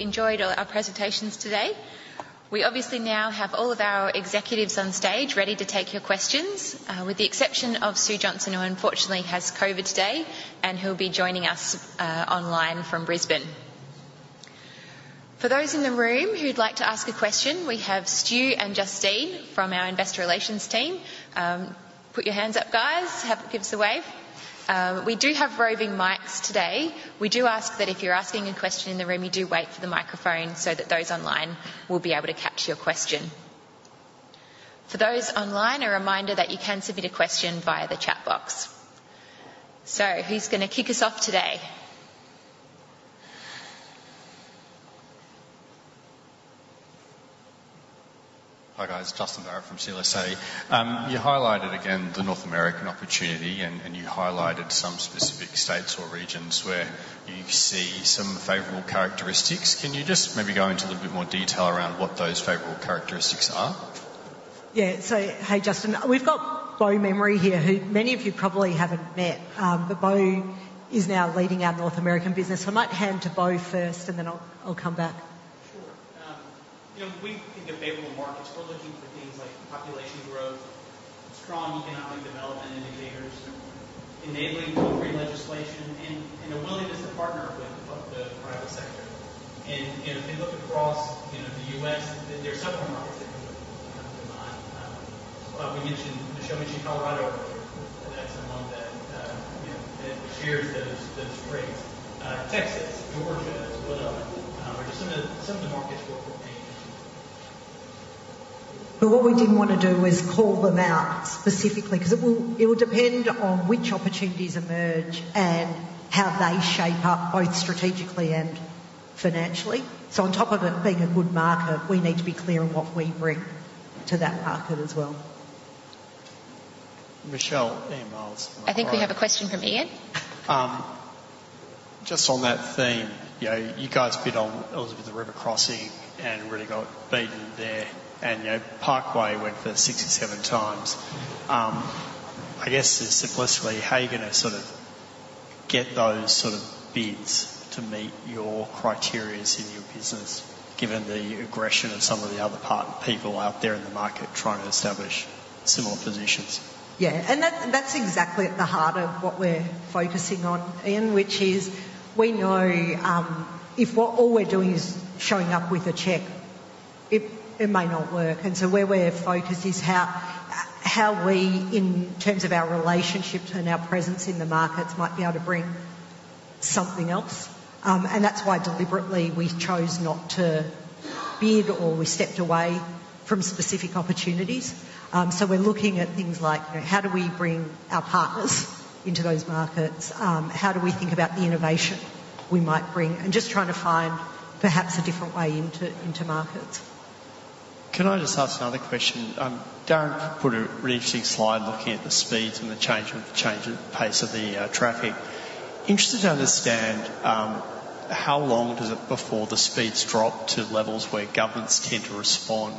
enjoyed our presentations today. We obviously now have all of our executives on stage ready to take your questions, with the exception of Sue Johnson, who unfortunately has COVID today and who'll be joining us online from Brisbane. For those in the room who'd like to ask a question, we have Stu and Justine from our investor relations team. Put your hands up, guys, give us a wave. We do have roving mics today. We do ask that if you're asking a question in the room, you do wait for the microphone so that those online will be able to catch your question. For those online, a reminder that you can submit a question via the chat box. So who's gonna kick us off today? Hi, guys, Justin Barrett from CLSA. You highlighted again the North American opportunity, and, and you highlighted some specific states or regions where you see some favorable characteristics. Can you just maybe go into a little bit more detail around what those favorable characteristics are? Yeah. So, hey, Justin, we've got Beau Memory here, who many of you probably haven't met, but Beau is now leading our North American business. So I might hand to Beau first, and then I'll come back. Sure. You know, we think of favorable markets. We're looking for things like population growth, strong economic development indicators, enabling toll-free legislation, and a willingness to partner with the private sector. And, you know, if we look across, you know, the U.S., there are several markets that come to mind. We mentioned, I showed you Colorado earlier, that's among them. You know, it shares those traits. Texas, Georgia is one of them, are just some of the markets where we're paying attention. But what we didn't want to do is call them out specifically, 'cause it will, it will depend on which opportunities emerge and how they shape up, both strategically and financially. So on top of it being a good market, we need to be clear on what we bring to that market as well. Michelle and Miles- I think we have a question from Ian. Just on that theme, you know, you guys bid on Elizabeth River Crossing and really got beaten there, and, you know, Parkway went for 67 times. I guess just simplistically, how are you gonna sort of get those sort of bids to meet your criteria in your business, given the aggression of some of the other parties, people out there in the market trying to establish similar positions? Yeah, and that, that's exactly at the heart of what we're focusing on, Ian, which is we know, if what all we're doing is showing up with a check, it, it may not work. And so where we're focused is how, how we, in terms of our relationships and our presence in the markets, might be able to bring something else. And that's why deliberately, we chose not to bid or we stepped away from specific opportunities. So we're looking at things like, how do we bring our partners into those markets? How do we think about the innovation we might bring? And just trying to find perhaps a different way into, into markets. Can I just ask another question? Darren put a really interesting slide looking at the speeds and the change of pace of the traffic. Interested to understand how long does it before the speeds drop to levels where governments tend to respond?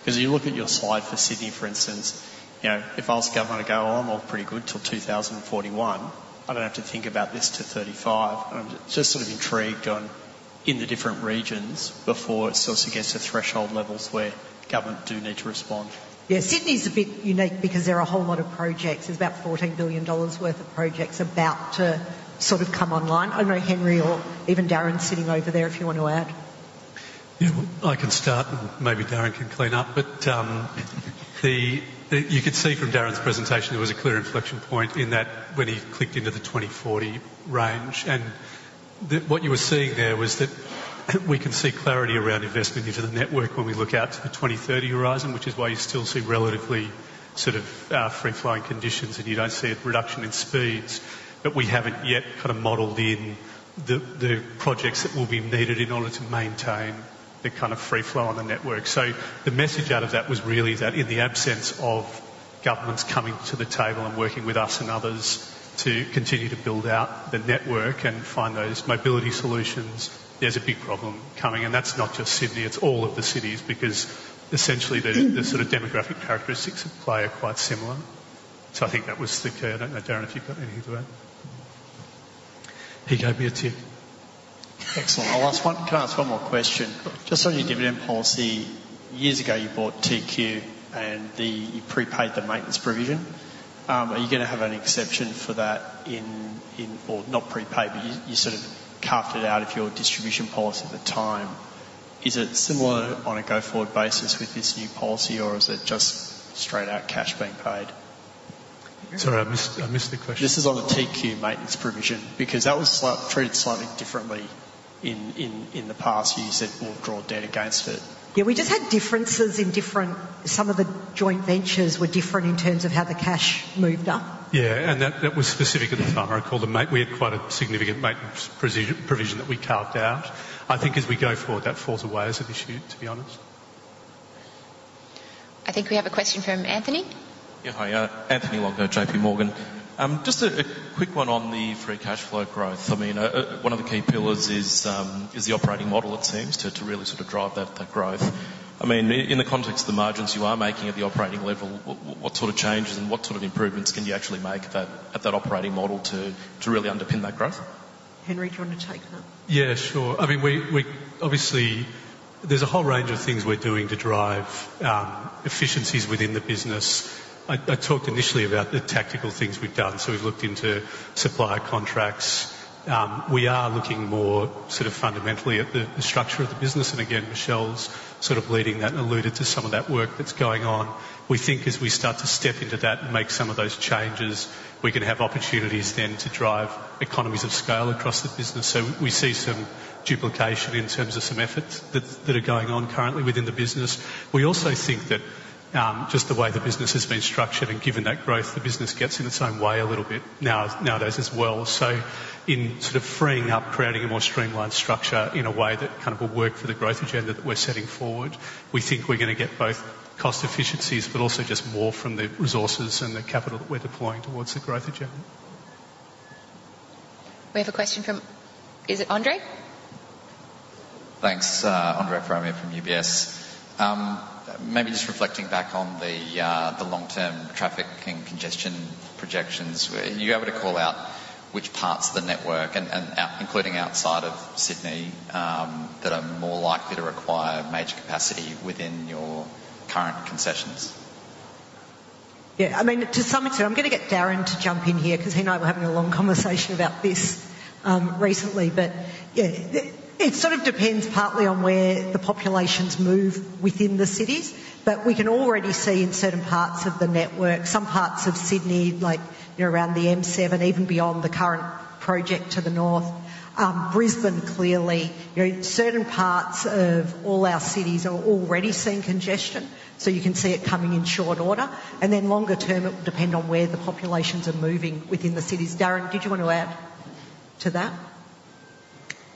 Because you look at your slide for Sydney, for instance, you know, if I was the government, I'd go, "Oh, I'm all pretty good till 2041. I don't have to think about this till 35." I'm just sort of intrigued in the different regions before it sort of gets to threshold levels where government do need to respond. Yeah, Sydney's a bit unique because there are a whole lot of projects. There's about AUD 14 billion worth of projects about to sort of come online. I don't know, Henry or even Darren sitting over there, if you want to add?... Yeah, well, I can start, and maybe Darren can clean up. But you could see from Darren's presentation, there was a clear inflection point in that when he clicked into the 2040 range. And what you were seeing there was that we can see clarity around investment into the network when we look out to the 2030 horizon, which is why you still see relatively sort of free-flowing conditions, and you don't see a reduction in speeds. But we haven't yet kind of modeled in the projects that will be needed in order to maintain the kind of free flow on the network. So the message out of that was really that in the absence of governments coming to the table and working with us and others to continue to build out the network and find those mobility solutions, there's a big problem coming, and that's not just Sydney, it's all of the cities, because essentially, the sort of demographic characteristics at play are quite similar. So I think that was the key. I don't know, Darren, if you've got anything to add. He gave me a tip. Excellent. Can I ask one more question? Sure. Just on your dividend policy, years ago, you bought TQ, and you prepaid the maintenance provision. Are you gonna have an exception for that, or not prepaid, but you sort of carved it out of your distribution policy at the time. Is it similar on a go-forward basis with this new policy, or is it just straight out cash being paid? Sorry, I missed. I missed the question. This is on the TQ maintenance provision, because that was treated slightly differently in the past. You said, "We'll draw debt against it. Yeah, we just had differences in different... Some of the joint ventures were different in terms of how the cash moved up. Yeah, and that, that was specific at the time. I recall we had quite a significant maintenance provision that we carved out. I think as we go forward, that falls away as an issue, to be honest. I think we have a question from Anthony. Yeah, hi, Anthony Longo, JPMorgan. Just a quick one on the free cash flow growth. I mean, one of the key pillars is the operating model, it seems, to really sort of drive that growth. I mean, in the context of the margins you are making at the operating level, what sort of changes and what sort of improvements can you actually make at that operating model to really underpin that growth? Henry, do you want to take that? Yeah, sure. I mean, we obviously there's a whole range of things we're doing to drive efficiencies within the business. I talked initially about the tactical things we've done, so we've looked into supplier contracts. We are looking more sort of fundamentally at the structure of the business, and again, Michelle's sort of leading that and alluded to some of that work that's going on. We think as we start to step into that and make some of those changes, we can have opportunities then to drive economies of scale across the business. So we see some duplication in terms of some efforts that are going on currently within the business. We also think that just the way the business has been structured and given that growth, the business gets in its own way a little bit nowadays as well. In sort of freeing up, creating a more streamlined structure in a way that kind of will work for the growth agenda that we're setting forward, we think we're gonna get both cost efficiencies, but also just more from the resources and the capital that we're deploying towards the growth agenda. We have a question from... Is it Andre? Thanks. Andre Fromyhr from UBS. Maybe just reflecting back on the long-term traffic and congestion projections, were you able to call out which parts of the network, and including outside of Sydney, that are more likely to require major capacity within your current concessions? Yeah, I mean, to some extent, I'm gonna get Darren to jump in here, because he and I were having a long conversation about this, recently. But yeah, it, it sort of depends partly on where the populations move within the cities. But we can already see in certain parts of the network, some parts of Sydney, like, you know, around the M7, even beyond the current project to the north. Brisbane, clearly, you know, certain parts of all our cities are already seeing congestion, so you can see it coming in short order. And then longer term, it will depend on where the populations are moving within the cities. Darren, did you want to add to that?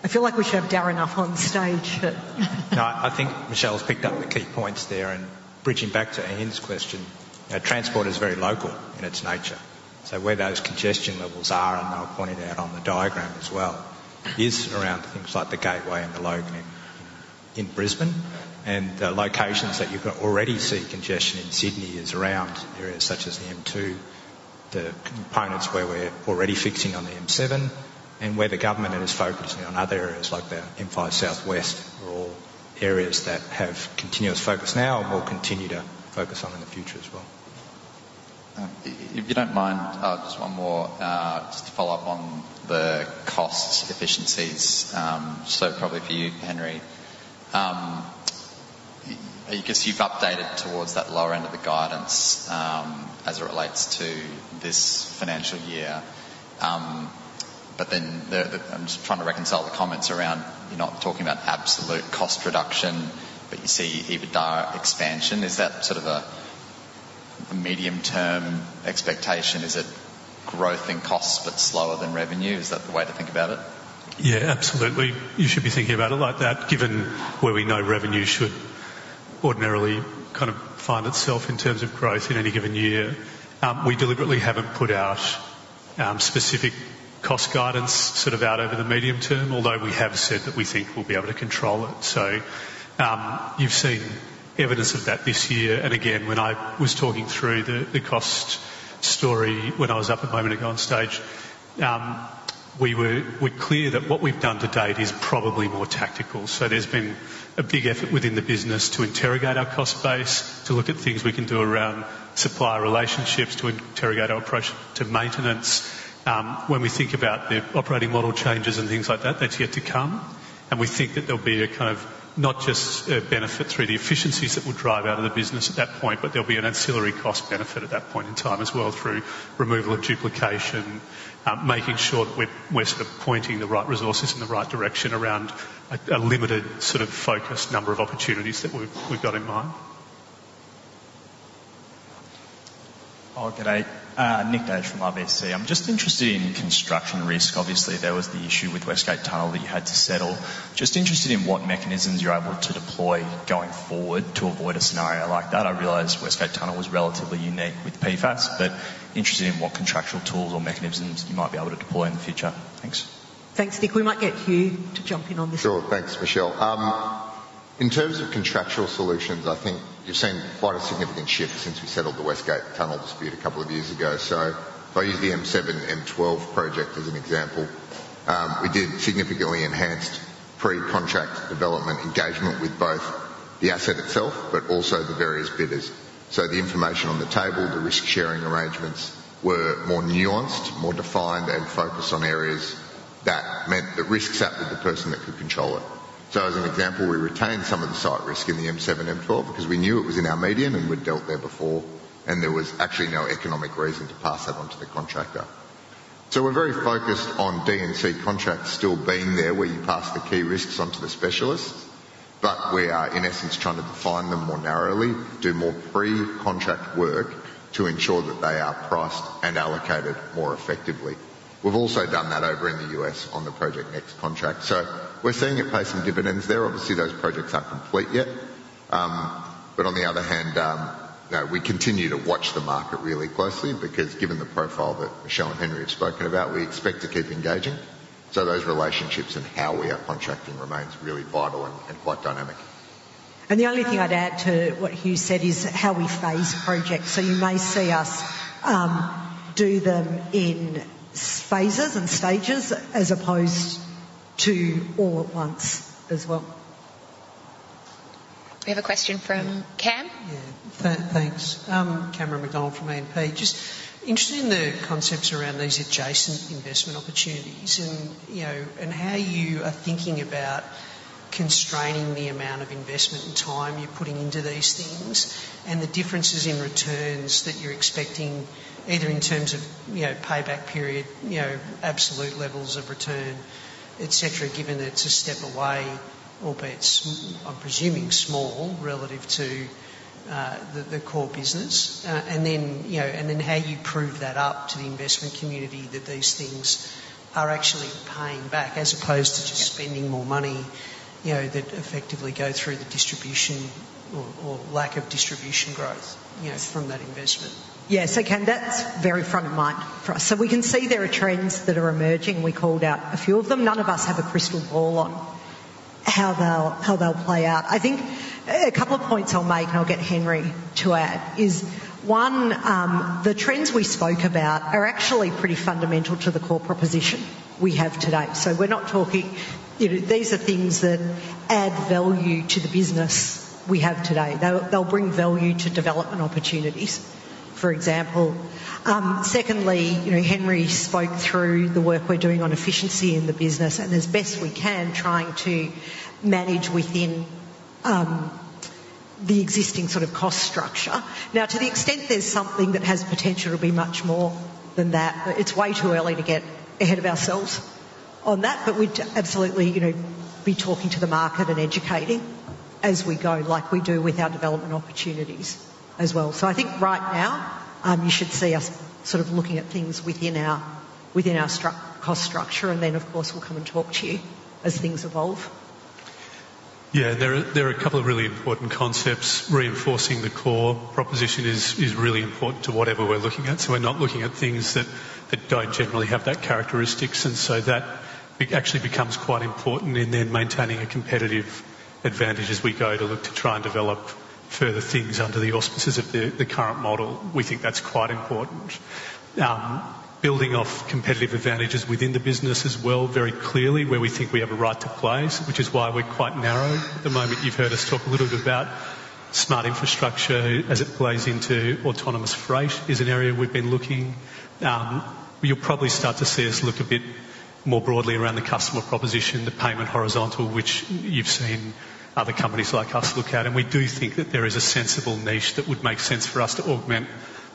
I feel like we should have Darren up on stage, but No, I think Michelle's picked up the key points there. And bridging back to Ian's question, transport is very local in its nature. So where those congestion levels are, and they were pointed out on the diagram as well, is around things like the Gateway and the Logan in Brisbane. And the locations that you can already see congestion in Sydney is around areas such as the M2, the components where we're already fixing on the M7, and where the government is focusing on other areas like the M5 Southwest, are all areas that have continuous focus now and will continue to focus on in the future as well. If you don't mind, just one more, just to follow up on the cost efficiencies, so probably for you, Henry. I guess you've updated towards that lower end of the guidance, as it relates to this financial year. But then the... I'm just trying to reconcile the comments around, you're not talking about absolute cost reduction, but you see EBITDA expansion. Is that sort of a medium-term expectation? Is it growth in costs, but slower than revenue? Is that the way to think about it? Yeah, absolutely. You should be thinking about it like that, given where we know revenue should ordinarily kind of find itself in terms of growth in any given year. We deliberately haven't put out specific cost guidance sort of out over the medium term, although we have said that we think we'll be able to control it. So, you've seen evidence of that this year. And again, when I was talking through the cost story when I was up a moment ago on stage, we're clear that what we've done to date is probably more tactical. So there's been a big effort within the business to interrogate our cost base, to look at things we can do around supplier relationships, to interrogate our approach to maintenance. When we think about the operating model changes and things like that, that's yet to come. We think that there'll be a kind of not just a benefit through the efficiencies that we'll drive out of the business at that point, but there'll be an ancillary cost benefit at that point in time as well, through removal of duplication, making sure that we're sort of pointing the right resources in the right direction around a limited sort of focused number of opportunities that we've got in mind. Oh, good day, Nick Dass from RBC. I'm just interested in construction risk. Obviously, there was the issue with West Gate Tunnel that you had to settle. Just interested in what mechanisms you're able to deploy going forward to avoid a scenario like that? I realize West Gate Tunnel was relatively unique with PFAS, but interested in what contractual tools or mechanisms you might be able to deploy in the future. Thanks. Thanks, Nick. We might get Hugh to jump in on this Sure. Thanks, Michelle. In terms of contractual solutions, I think you've seen quite a significant shift since we settled the West Gate Tunnel dispute a couple of years ago. So if I use the M7, M12 project as an example, we did significantly enhanced pre-contract development engagement with both the asset itself, but also the various bidders. So the information on the table, the risk-sharing arrangements, were more nuanced, more defined, and focused on areas that meant the risks out with the person that could control it. So as an example, we retained some of the site risk in the M7, M12 because we knew it was in our median, and we'd dealt there before, and there was actually no economic reason to pass that on to the contractor. So we're very focused on D&C contracts still being there, where you pass the key risks on to the specialists, but we are, in essence, trying to define them more narrowly, do more pre-contract work to ensure that they are priced and allocated more effectively. We've also done that over in the US on the Project Next contract, so we're seeing it pay some dividends there. Obviously, those projects aren't complete yet, but on the other hand, you know, we continue to watch the market really closely because given the profile that Michelle and Henry have spoken about, we expect to keep engaging. So those relationships and how we are contracting remains really vital and quite dynamic. The only thing I'd add to what Hugh said is how we phase projects. So you may see us do them in phases and stages as opposed to all at once as well. We have a question from Cam. Yeah. Thanks. Cameron McDonald from AMP. Just interested in the concepts around these adjacent investment opportunities and, you know, and how you are thinking about constraining the amount of investment and time you're putting into these things, and the differences in returns that you're expecting, either in terms of, you know, payback period, you know, absolute levels of return, et cetera, given that it's a step away, albeit small, I'm presuming small relative to the core business. And then, you know, and then how you prove that up to the investment community that these things are actually paying back, as opposed to just spending more money, you know, that effectively go through the distribution or lack of distribution growth, you know, from that investment. Yeah. So, Cam, that's very front of mind for us. So we can see there are trends that are emerging. We called out a few of them. None of us have a crystal ball on how they'll play out. I think a couple of points I'll make, and I'll get Henry to add, is one, the trends we spoke about are actually pretty fundamental to the core proposition we have today. So we're not talking... You know, these are things that add value to the business we have today. They'll bring value to development opportunities, for example. Secondly, you know, Henry spoke through the work we're doing on efficiency in the business, and as best we can, trying to manage within the existing sort of cost structure. Now, to the extent there's something that has potential to be much more than that, but it's way too early to get ahead of ourselves on that. But we'd absolutely, you know, be talking to the market and educating as we go, like we do with our development opportunities as well. So I think right now, you should see us sort of looking at things within our, within our cost structure, and then, of course, we'll come and talk to you as things evolve. Yeah, there are a couple of really important concepts. Reinforcing the core proposition is really important to whatever we're looking at. So we're not looking at things that don't generally have that characteristics, and so that actually becomes quite important in then maintaining a competitive advantage as we go to look to try and develop further things under the auspices of the current model. We think that's quite important. Building off competitive advantages within the business as well, very clearly, where we think we have a right to place, which is why we're quite narrow at the moment. You've heard us talk a little bit about smart infrastructure as it plays into autonomous freight, is an area we've been looking. You'll probably start to see us look a bit more broadly around the customer proposition, the payment horizontal, which you've seen other companies like us look at. We do think that there is a sensible niche that would make sense for us to augment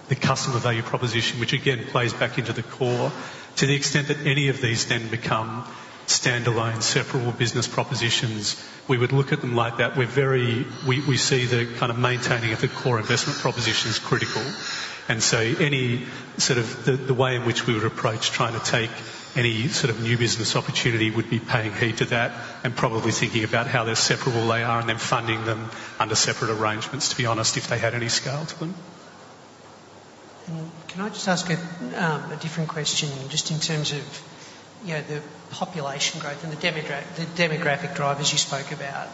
the customer value proposition, which again, plays back into the core. To the extent that any of these then become standalone, separable business propositions, we would look at them like that. We see the kind of maintaining of the core investment proposition is critical, and so any sort of the way in which we would approach trying to take any sort of new business opportunity would be paying heed to that and probably thinking about how separable they are, and then funding them under separate arrangements, to be honest, if they had any scale to them. And can I just ask a different question, just in terms of, you know, the population growth and the demographic drivers you spoke about?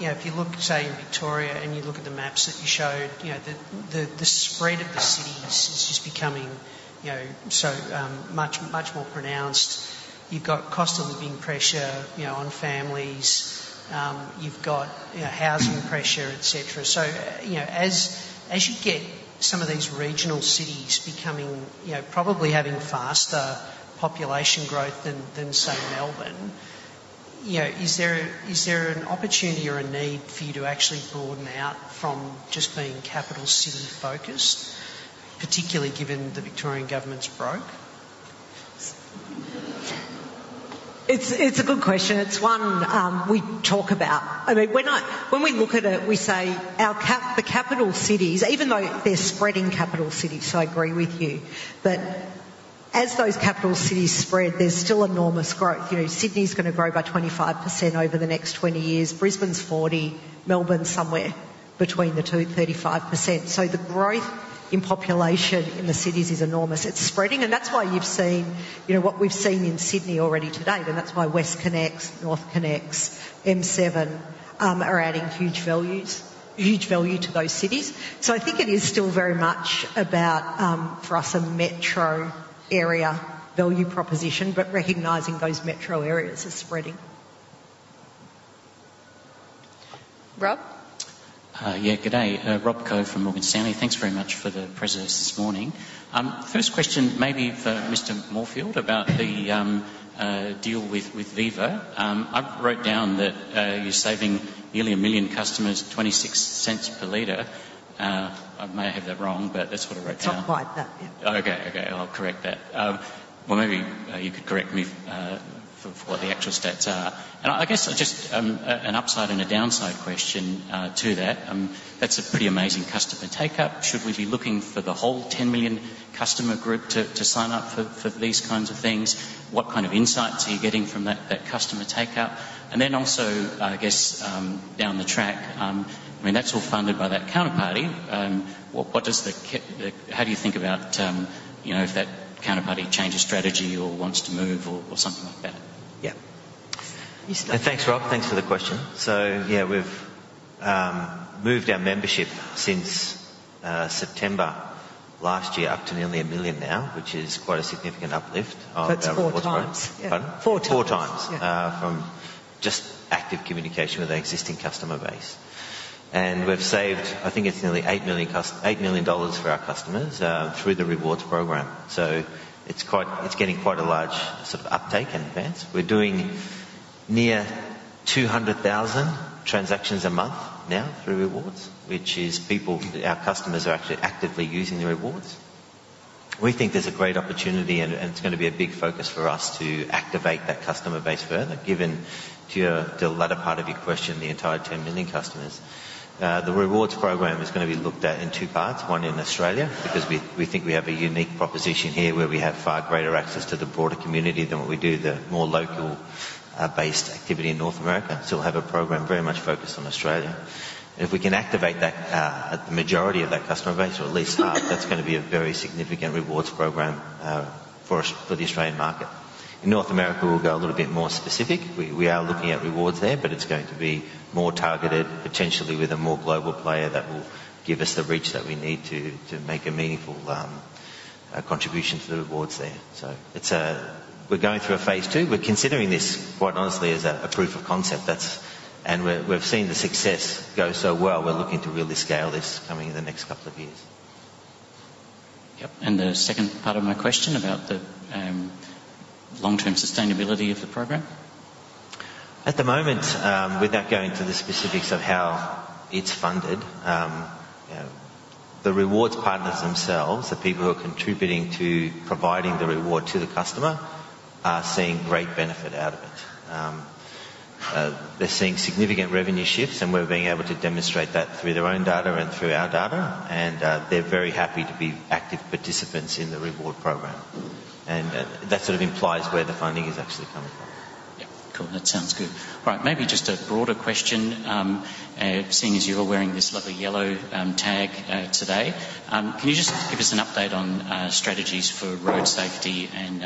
You know, if you look, say, in Victoria, and you look at the maps that you showed, you know, the spread of the cities is just becoming- ... You know, so much, much more pronounced. You've got cost of living pressure, you know, on families. You've got, you know, housing pressure, et cetera. So, you know, as you get some of these regional cities becoming, you know, probably having faster population growth than, say, Melbourne, you know, is there an opportunity or a need for you to actually broaden out from just being capital city-focused, particularly given the Victorian government's broke? It's a good question. It's one, we talk about. I mean, when we look at it, we say our capital cities, even though they're spreading capital cities, so I agree with you. But as those capital cities spread, there's still enormous growth. You know, Sydney's gonna grow by 25% over the next 20 years. Brisbane's 40%, Melbourne's somewhere between the two, 35%. So the growth in population in the cities is enormous. It's spreading, and that's why you've seen, you know, what we've seen in Sydney already to date, and that's why WestConnex, NorthConnex, M7 are adding huge values, huge value to those cities. So I think it is still very much about, for us, a metro area value proposition, but recognizing those metro areas are spreading. Rob? Yeah, good day. Rob Coe from Morgan Stanley. Thanks very much for the presenters this morning. First question, maybe for Mr. Moorfield, about the deal with Viva. I wrote down that you're saving nearly 1 million customers 0.26 per liter. I may have that wrong, but that's what I wrote down. It's not quite that, yeah. Okay, okay, I'll correct that. Well, maybe you could correct me for what the actual stats are. And I guess just an upside and a downside question to that. That's a pretty amazing customer take-up. Should we be looking for the whole 10 million customer group to sign up for these kinds of things? What kind of insights are you getting from that customer take-up? And then also, I guess, down the track, I mean, that's all funded by that counterparty. How do you think about, you know, if that counterparty changes strategy or wants to move or something like that? Yeah. Thanks, Rob. Thanks for the question. So yeah, we've moved our membership since September last year, up to nearly 1 million now, which is quite a significant uplift of- That's four times. Pardon? Four times. Four times, from just active communication with our existing customer base. And we've saved, I think it's nearly 8 million dollars for our customers, through the rewards program. So it's quite... It's getting quite a large sort of uptake and advance. We're doing nearly 200,000 transactions a month now through rewards, which is people, our customers are actually actively using the rewards. We think there's a great opportunity, and, and it's gonna be a big focus for us to activate that customer base further, given to the latter part of your question, the entire 10 million customers. The rewards program is gonna be looked at in two parts, one in Australia, because we, we think we have a unique proposition here where we have far greater access to the broader community than what we do, the more local based activity in North America. Still have a program very much focused on Australia. If we can activate that, the majority of that customer base, or at least half, that's gonna be a very significant rewards program for us, for the Australian market. In North America, we'll go a little bit more specific. We, we are looking at rewards there, but it's going to be more targeted, potentially with a more global player that will give us the reach that we need to, to make a meaningful contribution to the rewards there. So it's a... We're going through a phase two. We're considering this, quite honestly, as a proof of concept. That's. And we've seen the success go so well. We're looking to really scale this coming in the next couple of years. Yep, and the second part of my question about the long-term sustainability of the program? At the moment, without going into the specifics of how it's funded, you know, the rewards partners themselves, the people who are contributing to providing the reward to the customer, are seeing great benefit out of it. They're seeing significant revenue shifts, and we're being able to demonstrate that through their own data and through our data, and, they're very happy to be active participants in the reward program. And, that sort of implies where the funding is actually coming from. Yeah, cool. That sounds good. All right, maybe just a broader question. Seeing as you're wearing this lovely yellow tag today, can you just give us an update on strategies for road safety and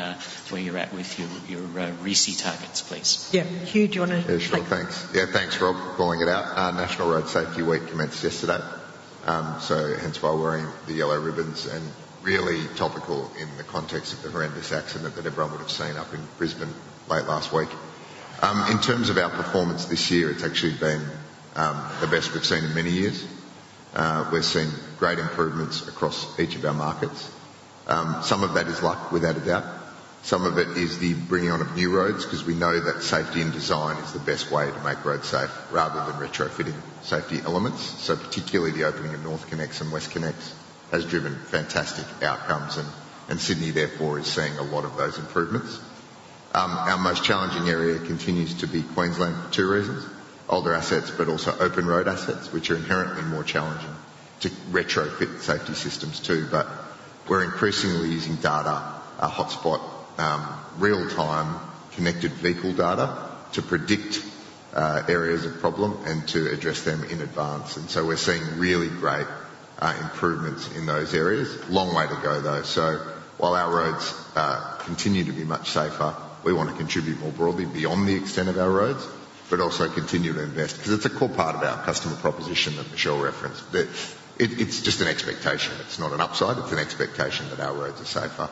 where you're at with your RISI targets, please? Yeah. Hugh, do you want to- Sure, thanks. Yeah, thanks, Rob, for calling it out. National Road Safety Week commenced yesterday, so hence why we're wearing the yellow ribbons, and really topical in the context of the horrendous accident that everyone would have seen up in Brisbane late last week. In terms of our performance this year, it's actually been the best we've seen in many years. We've seen great improvements across each of our markets. Some of that is luck, without a doubt. Some of it is the bringing on of new roads, because we know that safety and design is the best way to make roads safe, rather than retrofitting safety elements. So particularly the opening of NorthConnex and WestConnex has driven fantastic outcomes, and Sydney, therefore, is seeing a lot of those improvements. Our most challenging area continues to be Queensland, for two reasons: older assets, but also open road assets, which are inherently more challenging to retrofit safety systems to. We're increasingly using data, hotspot, real-time, connected vehicle data to predict areas of problem and to address them in advance. We're seeing really great improvements in those areas. Long way to go, though. While our roads continue to be much safer, we want to contribute more broadly beyond the extent of our roads, but also continue to invest, because it's a core part of our customer proposition that Michelle referenced. It, it's just an expectation. It's not an upside, it's an expectation that our roads are safer.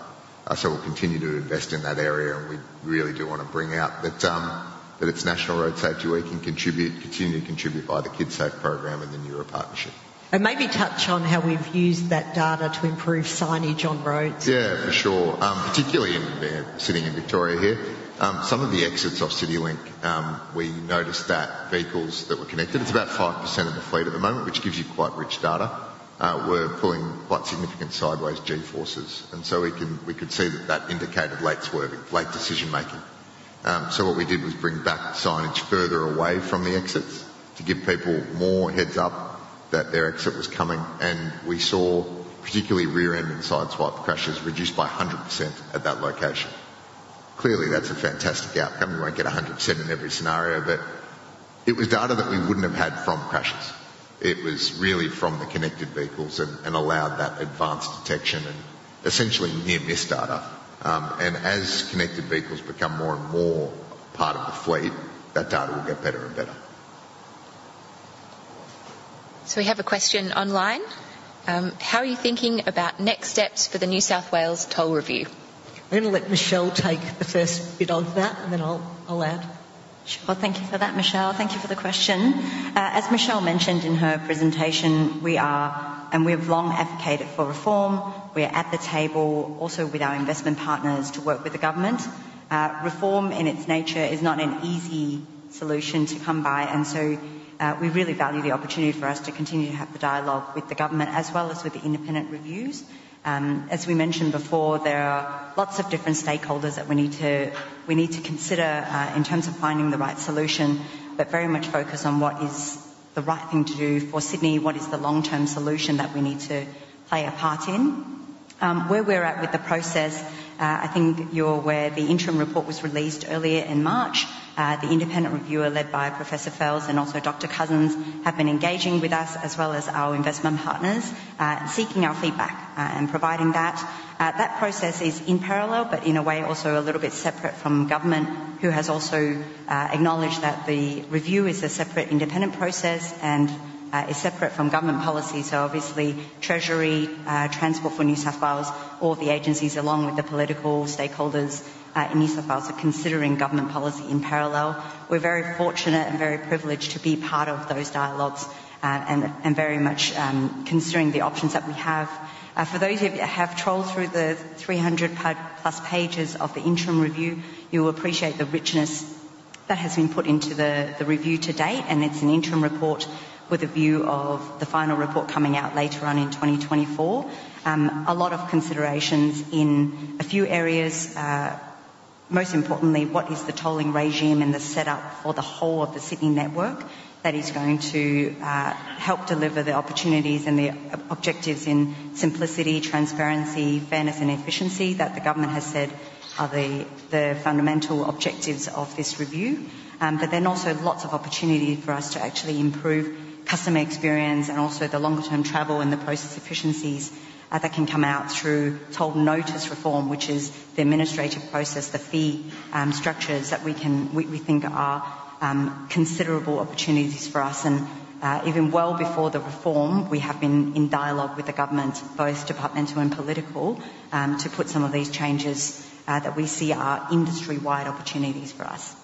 So we'll continue to invest in that area, and we really do wanna bring out that that it's National Road Safety Week and contribute, continue to contribute via the Kidsafe program and the NeuRA partnership. Maybe touch on how we've used that data to improve signage on roads. Yeah, for sure. Particularly in there, sitting in Victoria here, some of the exits off CityLink, we noticed that vehicles that were connected—it's about 5% of the fleet at the moment, which gives you quite rich data—were pulling quite significant sideways G-forces, and so we can, we could see that that indicated late swerving, late decision-making. So what we did was bring back signage further away from the exits to give people more heads-up that their exit was coming. We saw particularly rear-end and sideswipe crashes reduced by 100% at that location. Clearly, that's a fantastic outcome. We won't get 100% in every scenario, but it was data that we wouldn't have had from crashes. It was really from the connected vehicles and allowed that advanced detection and essentially near-miss data. As connected vehicles become more and more part of the fleet, that data will get better and better. So we have a question online. How are you thinking about next steps for the New South Wales toll review? I'm gonna let Michelle take the first bit of that, and then I'll, I'll add. Sure. Well, thank you for that, Michelle. Thank you for the question. As Michelle mentioned in her presentation, we are, and we have long advocated for reform. We are at the table also with our investment partners to work with the government. Reform in its nature is not an easy solution to come by, and so, we really value the opportunity for us to continue to have the dialogue with the government as well as with the independent reviews. As we mentioned before, there are lots of different stakeholders that we need to, we need to consider, in terms of finding the right solution, but very much focused on what is the right thing to do for Sydney, what is the long-term solution that we need to play a part in? Where we're at with the process, I think you're aware, the interim report was released earlier in March. The independent reviewer, led by Professor Fels and also Dr. Cousins, have been engaging with us as well as our investment partners, seeking our feedback, and providing that. That process is in parallel, but in a way, also a little bit separate from government, who has also acknowledged that the review is a separate independent process and is separate from government policy. So obviously, Treasury, Transport for New South Wales, all the agencies, along with the political stakeholders in New South Wales, are considering government policy in parallel. We're very fortunate and very privileged to be part of those dialogues, and very much considering the options that we have. For those of you that have trawled through the 300-plus pages of the interim review, you'll appreciate the richness that has been put into the review to date, and it's an interim report with a view of the final report coming out later on in 2024. A lot of considerations in a few areas, most importantly, what is the tolling regime and the setup for the whole of the Sydney network that is going to help deliver the opportunities and the objectives in simplicity, transparency, fairness, and efficiency that the government has said are the fundamental objectives of this review. But then also lots of opportunity for us to actually improve customer experience and also the longer-term travel and the process efficiencies, that can come out through toll notice reform, which is the administrative process, the fee structures that we can... we think are considerable opportunities for us. And even well before the reform, we have been in dialogue with the government, both departmental and political, to put some of these changes that we see are industry-wide opportunities for us.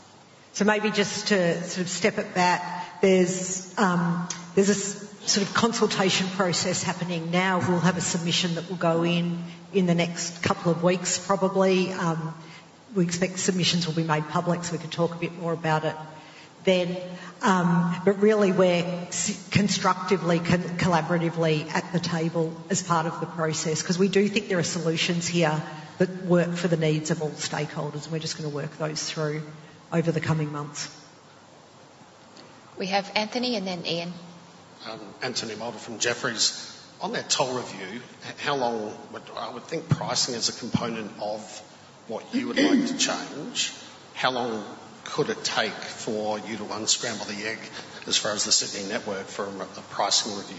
So maybe just to sort of step at that, there's a sort of consultation process happening now. We'll have a submission that will go in in the next couple of weeks, probably. We expect submissions will be made public, so we can talk a bit more about it then. But really, we're constructively, collaboratively at the table as part of the process because we do think there are solutions here that work for the needs of all stakeholders, and we're just gonna work those through over the coming months. We have Anthony, and then Ian Anthony Moulder from Jefferies. On that toll review, how long would... I would think pricing is a component of what you would like to change. How long could it take for you to unscramble the egg as far as the Sydney network for a pricing review?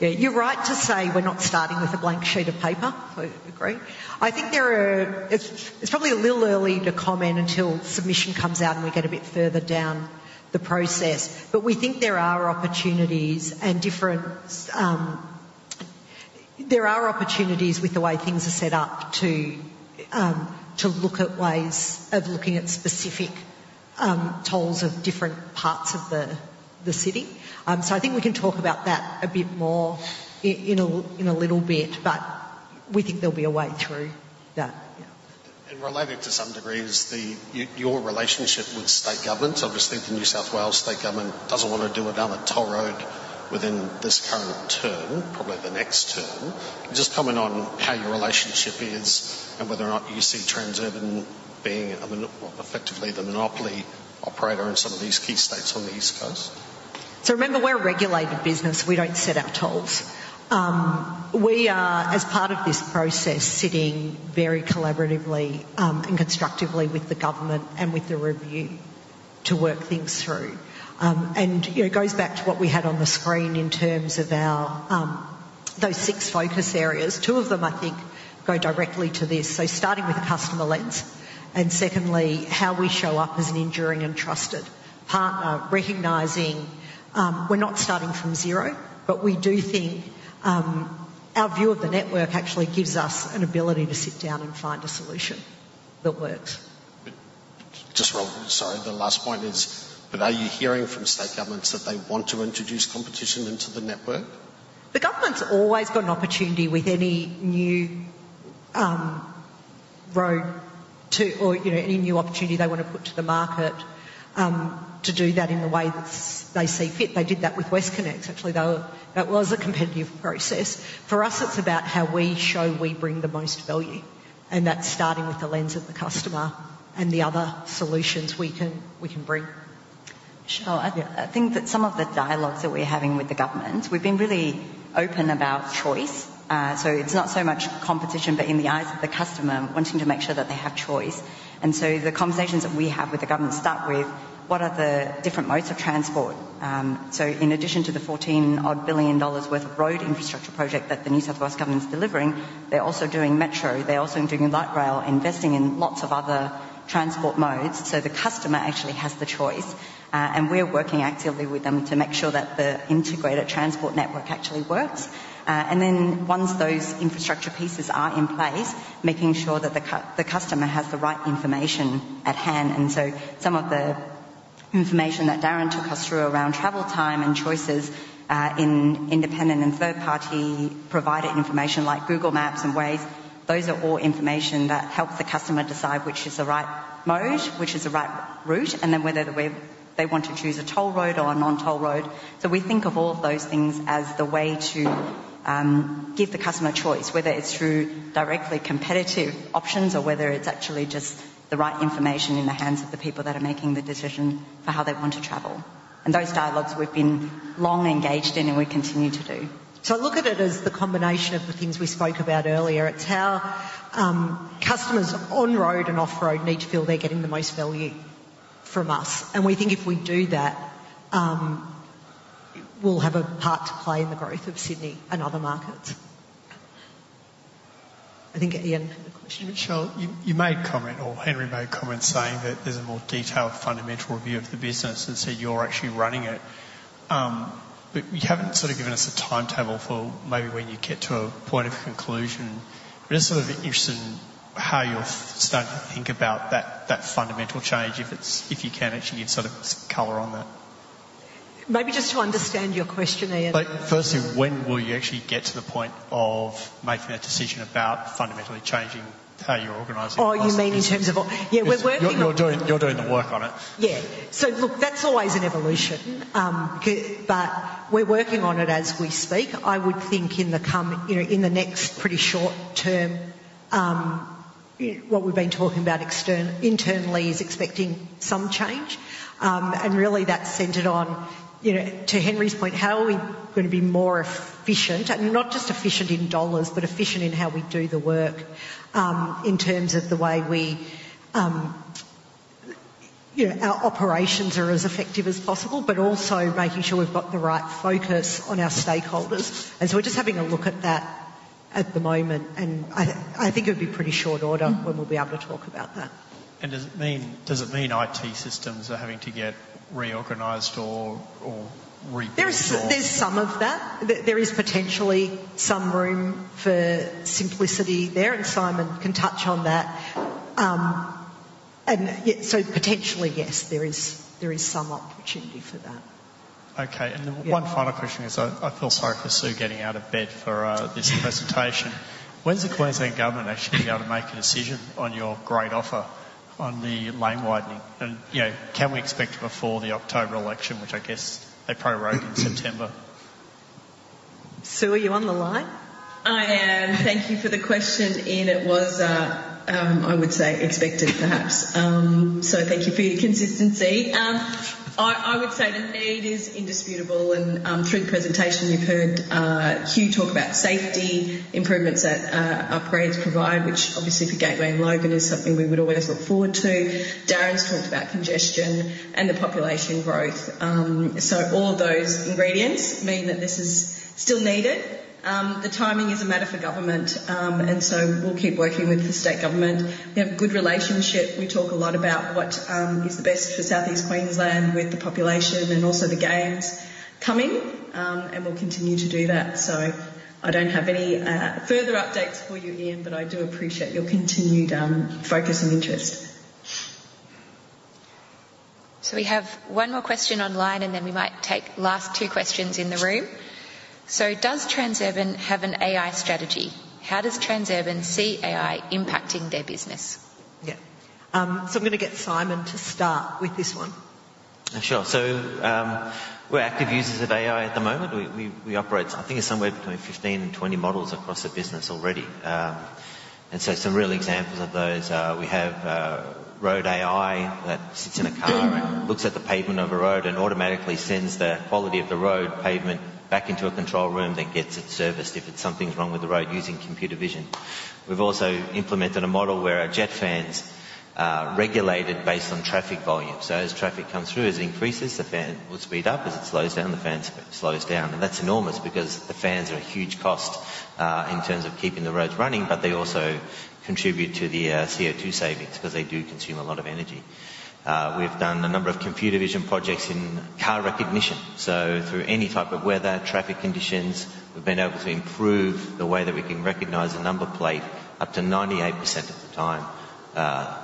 Yeah, you're right to say we're not starting with a blank sheet of paper. I agree. I think there are. It's probably a little early to comment until submission comes out, and we get a bit further down the process. But we think there are opportunities and different. There are opportunities with the way things are set up to to look at ways of looking at specific tolls of different parts of the city. So I think we can talk about that a bit more in a little bit, but we think there'll be a way through that. Yeah. Related to some degree is your relationship with state government. Obviously, the New South Wales state government doesn't wanna do another toll road within this current term, probably the next term. Just comment on how your relationship is and whether or not you see Transurban being a monopoly, effectively the monopoly operator in some of these key states on the East Coast. So remember, we're a regulated business. We don't set our tolls. We are, as part of this process, sitting very collaboratively and constructively with the government and with the review to work things through. You know, it goes back to what we had on the screen in terms of our those six focus areas. Two of them, I think, go directly to this. So starting with the customer lens, and secondly, how we show up as an enduring and trusted partner, recognizing we're not starting from zero, but we do think our view of the network actually gives us an ability to sit down and find a solution that works. Just one. Sorry, the last point is, but are you hearing from state governments that they want to introduce competition into the network? The government's always got an opportunity with any new road to, or, you know, any new opportunity they want to put to the market, to do that in the way that they see fit. They did that with WestConnex. Actually, though, that was a competitive process. For us, it's about how we show we bring the most value, and that's starting with the lens of the customer and the other solutions we can, we can bring. Michelle, I think that some of the dialogues that we're having with the government, we've been really open about choice. So it's not so much competition, but in the eyes of the customer, wanting to make sure that they have choice. And so the conversations that we have with the government start with: What are the different modes of transport? So in addition to the 14-odd billion dollars worth of road infrastructure project that the New South Wales government is delivering, they're also doing metro, they're also doing light rail, investing in lots of other transport modes, so the customer actually has the choice. And we're working actively with them to make sure that the integrated transport network actually works. And then once those infrastructure pieces are in place, making sure that the customer has the right information at hand. And so some of the information that Darren took us through around travel time and choices, in independent and third-party provider information like Google Maps and Waze, those are all information that help the customer decide which is the right mode, which is the right route, and then whether the way they want to choose a toll road or a non-toll road. So we think of all of those things as the way to, give the customer choice, whether it's through directly competitive options or whether it's actually just the right information in the hands of the people that are making the decision for how they want to travel. And those dialogues we've been long engaged in, and we continue to do. Look at it as the combination of the things we spoke about earlier. It's how customers on-road and off-road need to feel they're getting the most value from us. We think if we do that, we'll have a part to play in the growth of Sydney and other markets. I think at the end of the question- Michelle, you made a comment or Henry made a comment saying that there's a more detailed fundamental review of the business, and so you're actually running it. But you haven't sort of given us a timetable for maybe when you get to a point of conclusion. But just sort of interested in how you're starting to think about that fundamental change, if you can actually give sort of color on that. Maybe just to understand your question, Ian. Like, firstly, when will you actually get to the point of making a decision about fundamentally changing how you're organizing? Oh, you mean in terms of... Yeah, we're working- You're doing the work on it. Yeah. So look, that's always an evolution, but we're working on it as we speak. I would think in the coming, you know, in the next pretty short term, what we've been talking about internally is expecting some change. And really, that's centered on, you know, to Henry's point, how are we gonna be more efficient? And not just efficient in dollars, but efficient in how we do the work, in terms of the way we, you know, our operations are as effective as possible, but also making sure we've got the right focus on our stakeholders. And so we're just having a look at that at the moment, and I think it'll be pretty short order when we'll be able to talk about that. Does it mean, does it mean IT systems are having to get reorganized or, or rebuilt or? There's some of that. There is potentially some room for simplicity there, and Simon can touch on that. And yeah, so potentially, yes, there is some opportunity for that. Okay, one final question is, I feel sorry for Sue getting out of bed for this presentation. When is the Queensland government actually gonna make a decision on your great offer on the lane widening? And, you know, can we expect it before the October election, which I guess they prorogue in September? Sue, are you on the line? I am. Thank you for the question, Ian. It was, I would say, expected, perhaps. So thank you for your consistency. I would say the need is indisputable, and through the presentation, you've heard Hugh talk about safety improvements that upgrades provide, which obviously for Gateway and Logan is something we would always look forward to. Darren's talked about congestion and the population growth. So all those ingredients mean that this is still needed. The timing is a matter for government, and so we'll keep working with the state government. We have a good relationship. We talk a lot about what is the best for Southeast Queensland with the population and also the games coming, and we'll continue to do that. I don't have any further updates for you, Ian, but I do appreciate your continued focus and interest. So we have one more question online, and then we might take last two questions in the room. So does Transurban have an AI strategy? How does Transurban see AI impacting their business? Yeah. So I'm gonna get Simon to start with this one. Sure. So, we're active users of AI at the moment. We operate, I think it's somewhere between 15 and 20 models across the business already. And so some real examples of those are we have Road AI that sits in a car and looks at the pavement of a road and automatically sends the quality of the road pavement back into a control room, then gets it serviced if it's something's wrong with the road using computer vision. We've also implemented a model where our jet fans are regulated based on traffic volume. So as traffic comes through, as it increases, the fan will speed up. As it slows down, the fan slows down. And that's enormous because the fans are a huge cost in terms of keeping the roads running, but they also contribute to the CO2 savings because they do consume a lot of energy. We've done a number of computer vision projects in car recognition. So through any type of weather, traffic conditions, we've been able to improve the way that we can recognize a number plate up to 98% of the time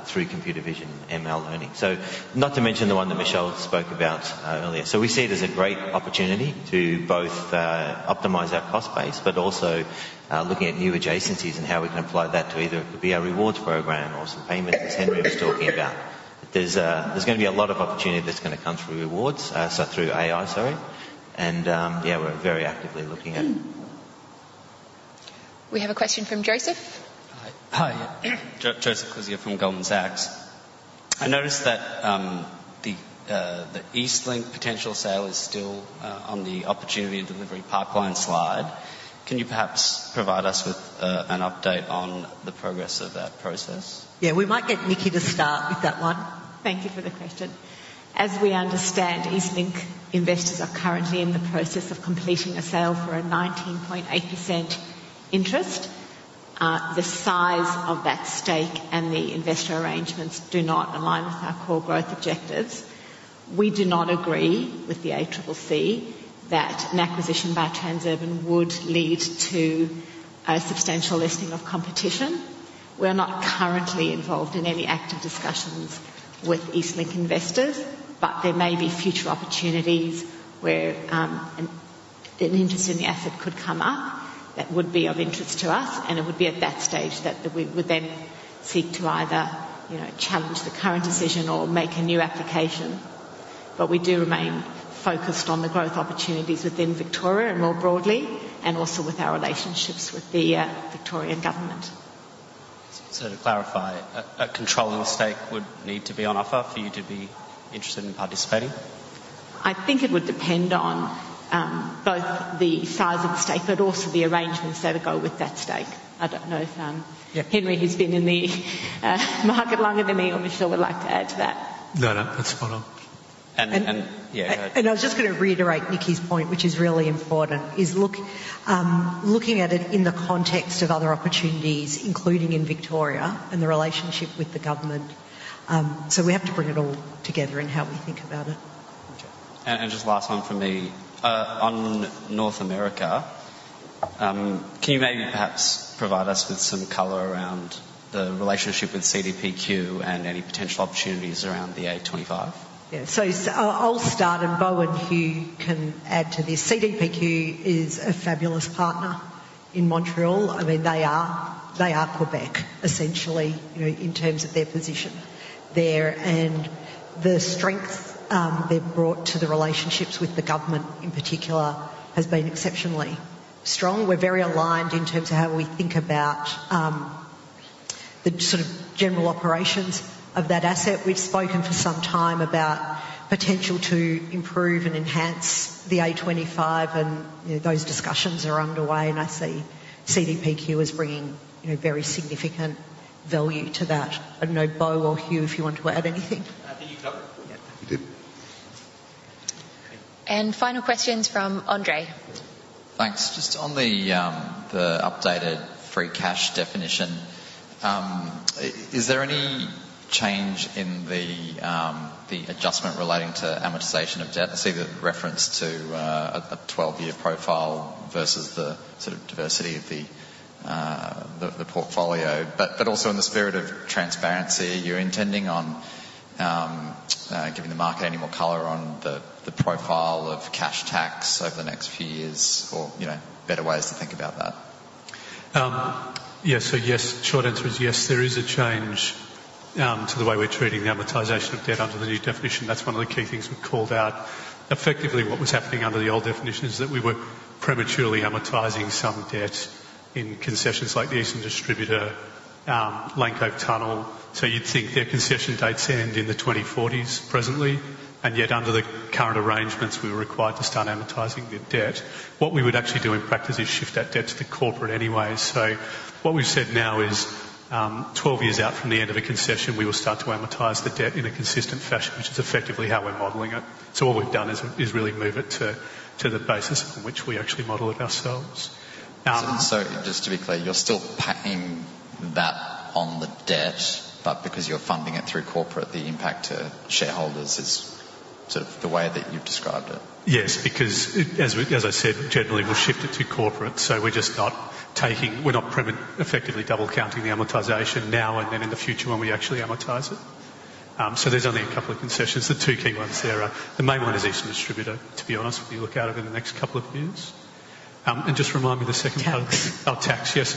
through computer vision and ML learning. So not to mention the one that Michelle spoke about earlier. So we see it as a great opportunity to both optimize our cost base, but also looking at new adjacencies and how we can apply that to either it could be our rewards program or some payments as Henry was talking about. There's gonna be a lot of opportunity that's gonna come through rewards, so through AI, sorry, and yeah, we're very actively looking at that. We have a question from Joseph. Hi. Joseph Vargyas from Goldman Sachs. I noticed that the EastLink potential sale is still on the opportunity and delivery pipeline slide. Can you perhaps provide us with an update on the progress of that process? Yeah, we might get Nikki to start with that one. Thank you for the question. As we understand, EastLink investors are currently in the process of completing a sale for a 19.8% interest. The size of that stake and the investor arrangements do not align with our core growth objectives. We do not agree with the ACCC that an acquisition by Transurban would lead to a substantial lessening of competition. We're not currently involved in any active discussions with EastLink investors, but there may be future opportunities where, an interest in the asset could come up that would be of interest to us, and it would be at that stage that we would then seek to either, you know, challenge the current decision or make a new application. But we do remain focused on the growth opportunities within Victoria and more broadly, and also with our relationships with the, Victorian Government. So to clarify, a controlling stake would need to be on offer for you to be interested in participating? I think it would depend on both the size of the stake, but also the arrangements that go with that stake. I don't know if- Yeah. -Henry, who's been in the market longer than me or Michelle would like to add to that. No, no, that's spot on. Yeah- I was just gonna reiterate Nikki's point, which is really important, is look, looking at it in the context of other opportunities, including in Victoria and the relationship with the government. So we have to bring it all together in how we think about it. Okay. And just last one from me. On North America, can you maybe perhaps provide us with some color around the relationship with CDPQ and any potential opportunities around the A25? Yeah. I'll start, and Beau and Hugh can add to this. CDPQ is a fabulous partner in Montreal. I mean, they are, they are Quebec, essentially, you know, in terms of their position there. And the strength they've brought to the relationships with the government, in particular, has been exceptionally strong. We're very aligned in terms of how we think about the sort of general operations of that asset. We've spoken for some time about potential to improve and enhance the A25, and, you know, those discussions are underway, and I see CDPQ as bringing, you know, very significant value to that. I don't know, Beau or Hugh, if you want to add anything? I think you covered it. You did. Final questions from Andre. Thanks. Just on the updated free cash definition, is there any change in the adjustment relating to amortization of debt? I see the reference to a 12-year profile versus the sort of diversity of the portfolio. But also in the spirit of transparency, are you intending on giving the market any more color on the profile of cash tax over the next few years or, you know, better ways to think about that? Yeah. So yes, short answer is yes, there is a change to the way we're treating the amortization of debt under the new definition. That's one of the key things we called out. Effectively, what was happening under the old definition is that we were prematurely amortizing some debt in concessions like the Eastern Distributor, Lane Cove Tunnel. So you'd think their concession dates end in the 2040s presently, and yet under the current arrangements, we were required to start amortizing the debt. What we would actually do in practice is shift that debt to the corporate anyway. So what we've said now is, 12 years out from the end of a concession, we will start to amortize the debt in a consistent fashion, which is effectively how we're modeling it. So what we've done is really move it to the basis on which we actually model it ourselves. So just to be clear, you're still paying that on the debt, but because you're funding it through corporate, the impact to shareholders is sort of the way that you've described it? Yes, because it. As I said, generally, we'll shift it to corporate. So we're just not taking. We're not preventing effectively double counting the amortization now and then in the future when we actually amortize it. So there's only a couple of concessions. The two key ones there are, the main one is Eastern Distributor, to be honest, if you look out over the next couple of years. And just remind me the second one. Tax. Oh, tax, yes.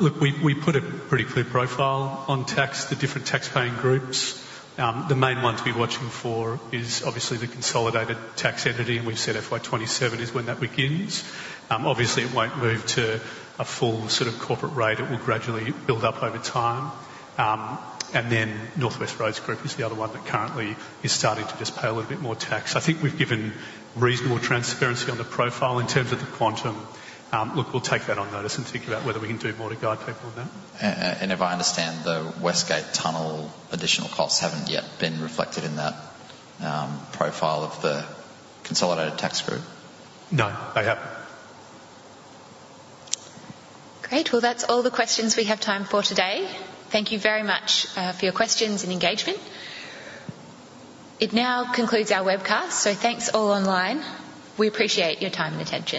Look, we, we put a pretty clear profile on tax, the different tax-paying groups. The main one to be watching for is obviously the consolidated tax entity, and we've said FY 2027 is when that begins. Obviously, it won't move to a full sort of corporate rate. It will gradually build up over time. And then Northwest Roads Group is the other one that currently is starting to just pay a little bit more tax. I think we've given reasonable transparency on the profile in terms of the quantum. Look, we'll take that on notice and think about whether we can do more to guide people on that. And if I understand, the West Gate Tunnel additional costs haven't yet been reflected in that profile of the consolidated tax group? No, they haven't. Great. Well, that's all the questions we have time for today. Thank you very much for your questions and engagement. It now concludes our webcast, so thanks all online. We appreciate your time and attention.